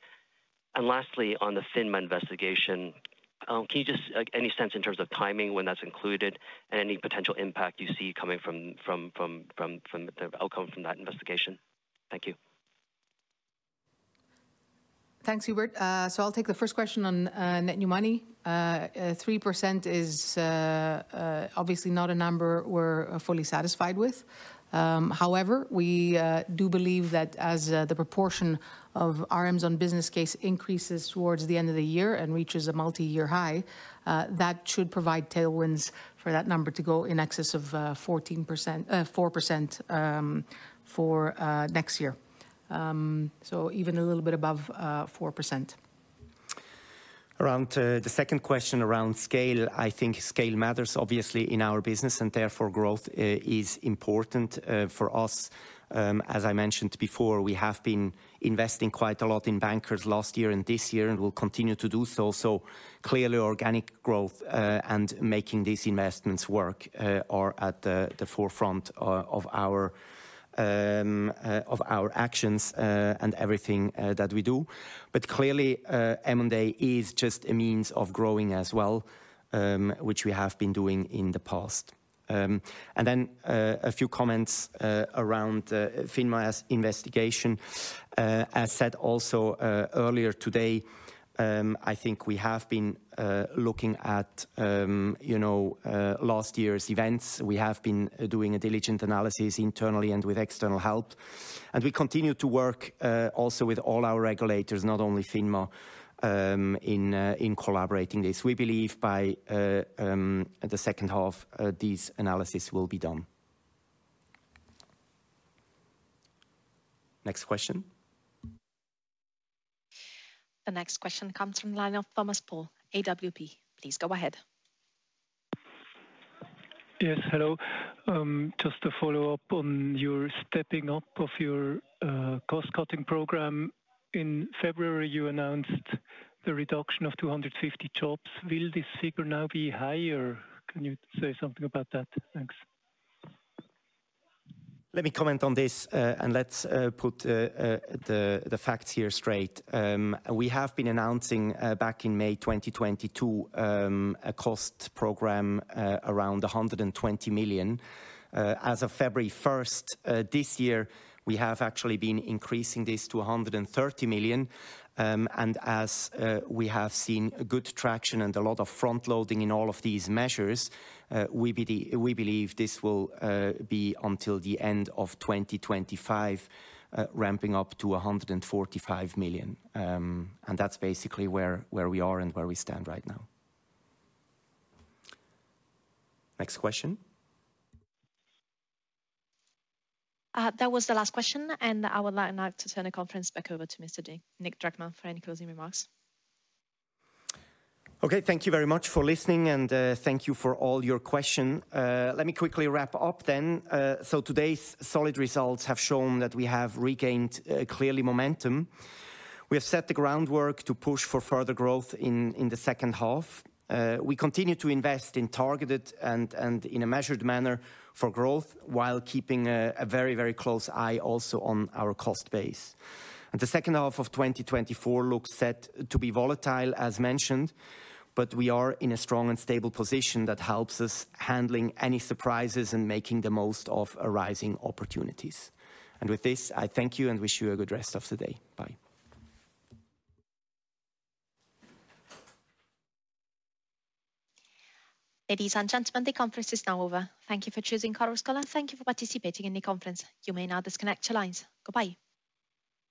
And lastly, on the FINMA investigation, can you just give any sense in terms of timing when that's included and any potential impact you see coming from the outcome from that investigation? Thank you. Thanks, Hubert. I'll take the first question on net new money. 3% is obviously not a number we're fully satisfied with. However, we do believe that as the proportion of RMs on business case increases towards the end of the year and reaches a multi-year high, that should provide tailwinds for that number to go in excess of 4% for next year. Even a little bit above 4%. Around the second question around scale, I think scale matters, obviously, in our business, and therefore growth is important for us. As I mentioned before, we have been investing quite a lot in bankers last year and this year and will continue to do so. So clearly, organic growth and making these investments work are at the forefront of our actions and everything that we do. But clearly, M&A is just a means of growing as well, which we have been doing in the past. And then a few comments around FINMA investigation. As said also earlier today, I think we have been looking at last year's events. We have been doing a diligent analysis internally and with external help. And we continue to work also with all our regulators, not only FINMA, in collaborating this. We believe by the second half, these analyses will be done. Next question. The next question comes from the line of Thomas Paul, AWP. Please go ahead. Yes, hello. Just to follow up on your stepping up of your cost-cutting program. In February, you announced the reduction of 250 jobs. Will this figure now be higher? Can you say something about that? Thanks. Let me comment on this and let's put the facts here straight. We have been announcing back in May 2022 a cost program around 120 million. As of February 1st this year, we have actually been increasing this to 130 million. And as we have seen good traction and a lot of front-loading in all of these measures, we believe this will be until the end of 2025, ramping up to 145 million. And that's basically where we are and where we stand right now. Next question. That was the last question, and I would like now to turn the conference back over to Mr. Nic Dreckmann for any closing remarks. Okay, thank you very much for listening, and thank you for all your questions. Let me quickly wrap up then. So today's solid results have shown that we have regained clearly momentum. We have set the groundwork to push for further growth in the second half. We continue to invest in targeted and in a measured manner for growth while keeping a very, very close eye also on our cost base. The second half of 2024 looks set to be volatile, as mentioned, but we are in a strong and stable position that helps us handling any surprises and making the most of arising opportunities. With this, I thank you and wish you a good rest of the day. Bye. Ladies and gentlemen, the conference is now over. Thank you for choosing Chorus Call. Thank you for participating in the conference. You may now disconnect your lines. Goodbye.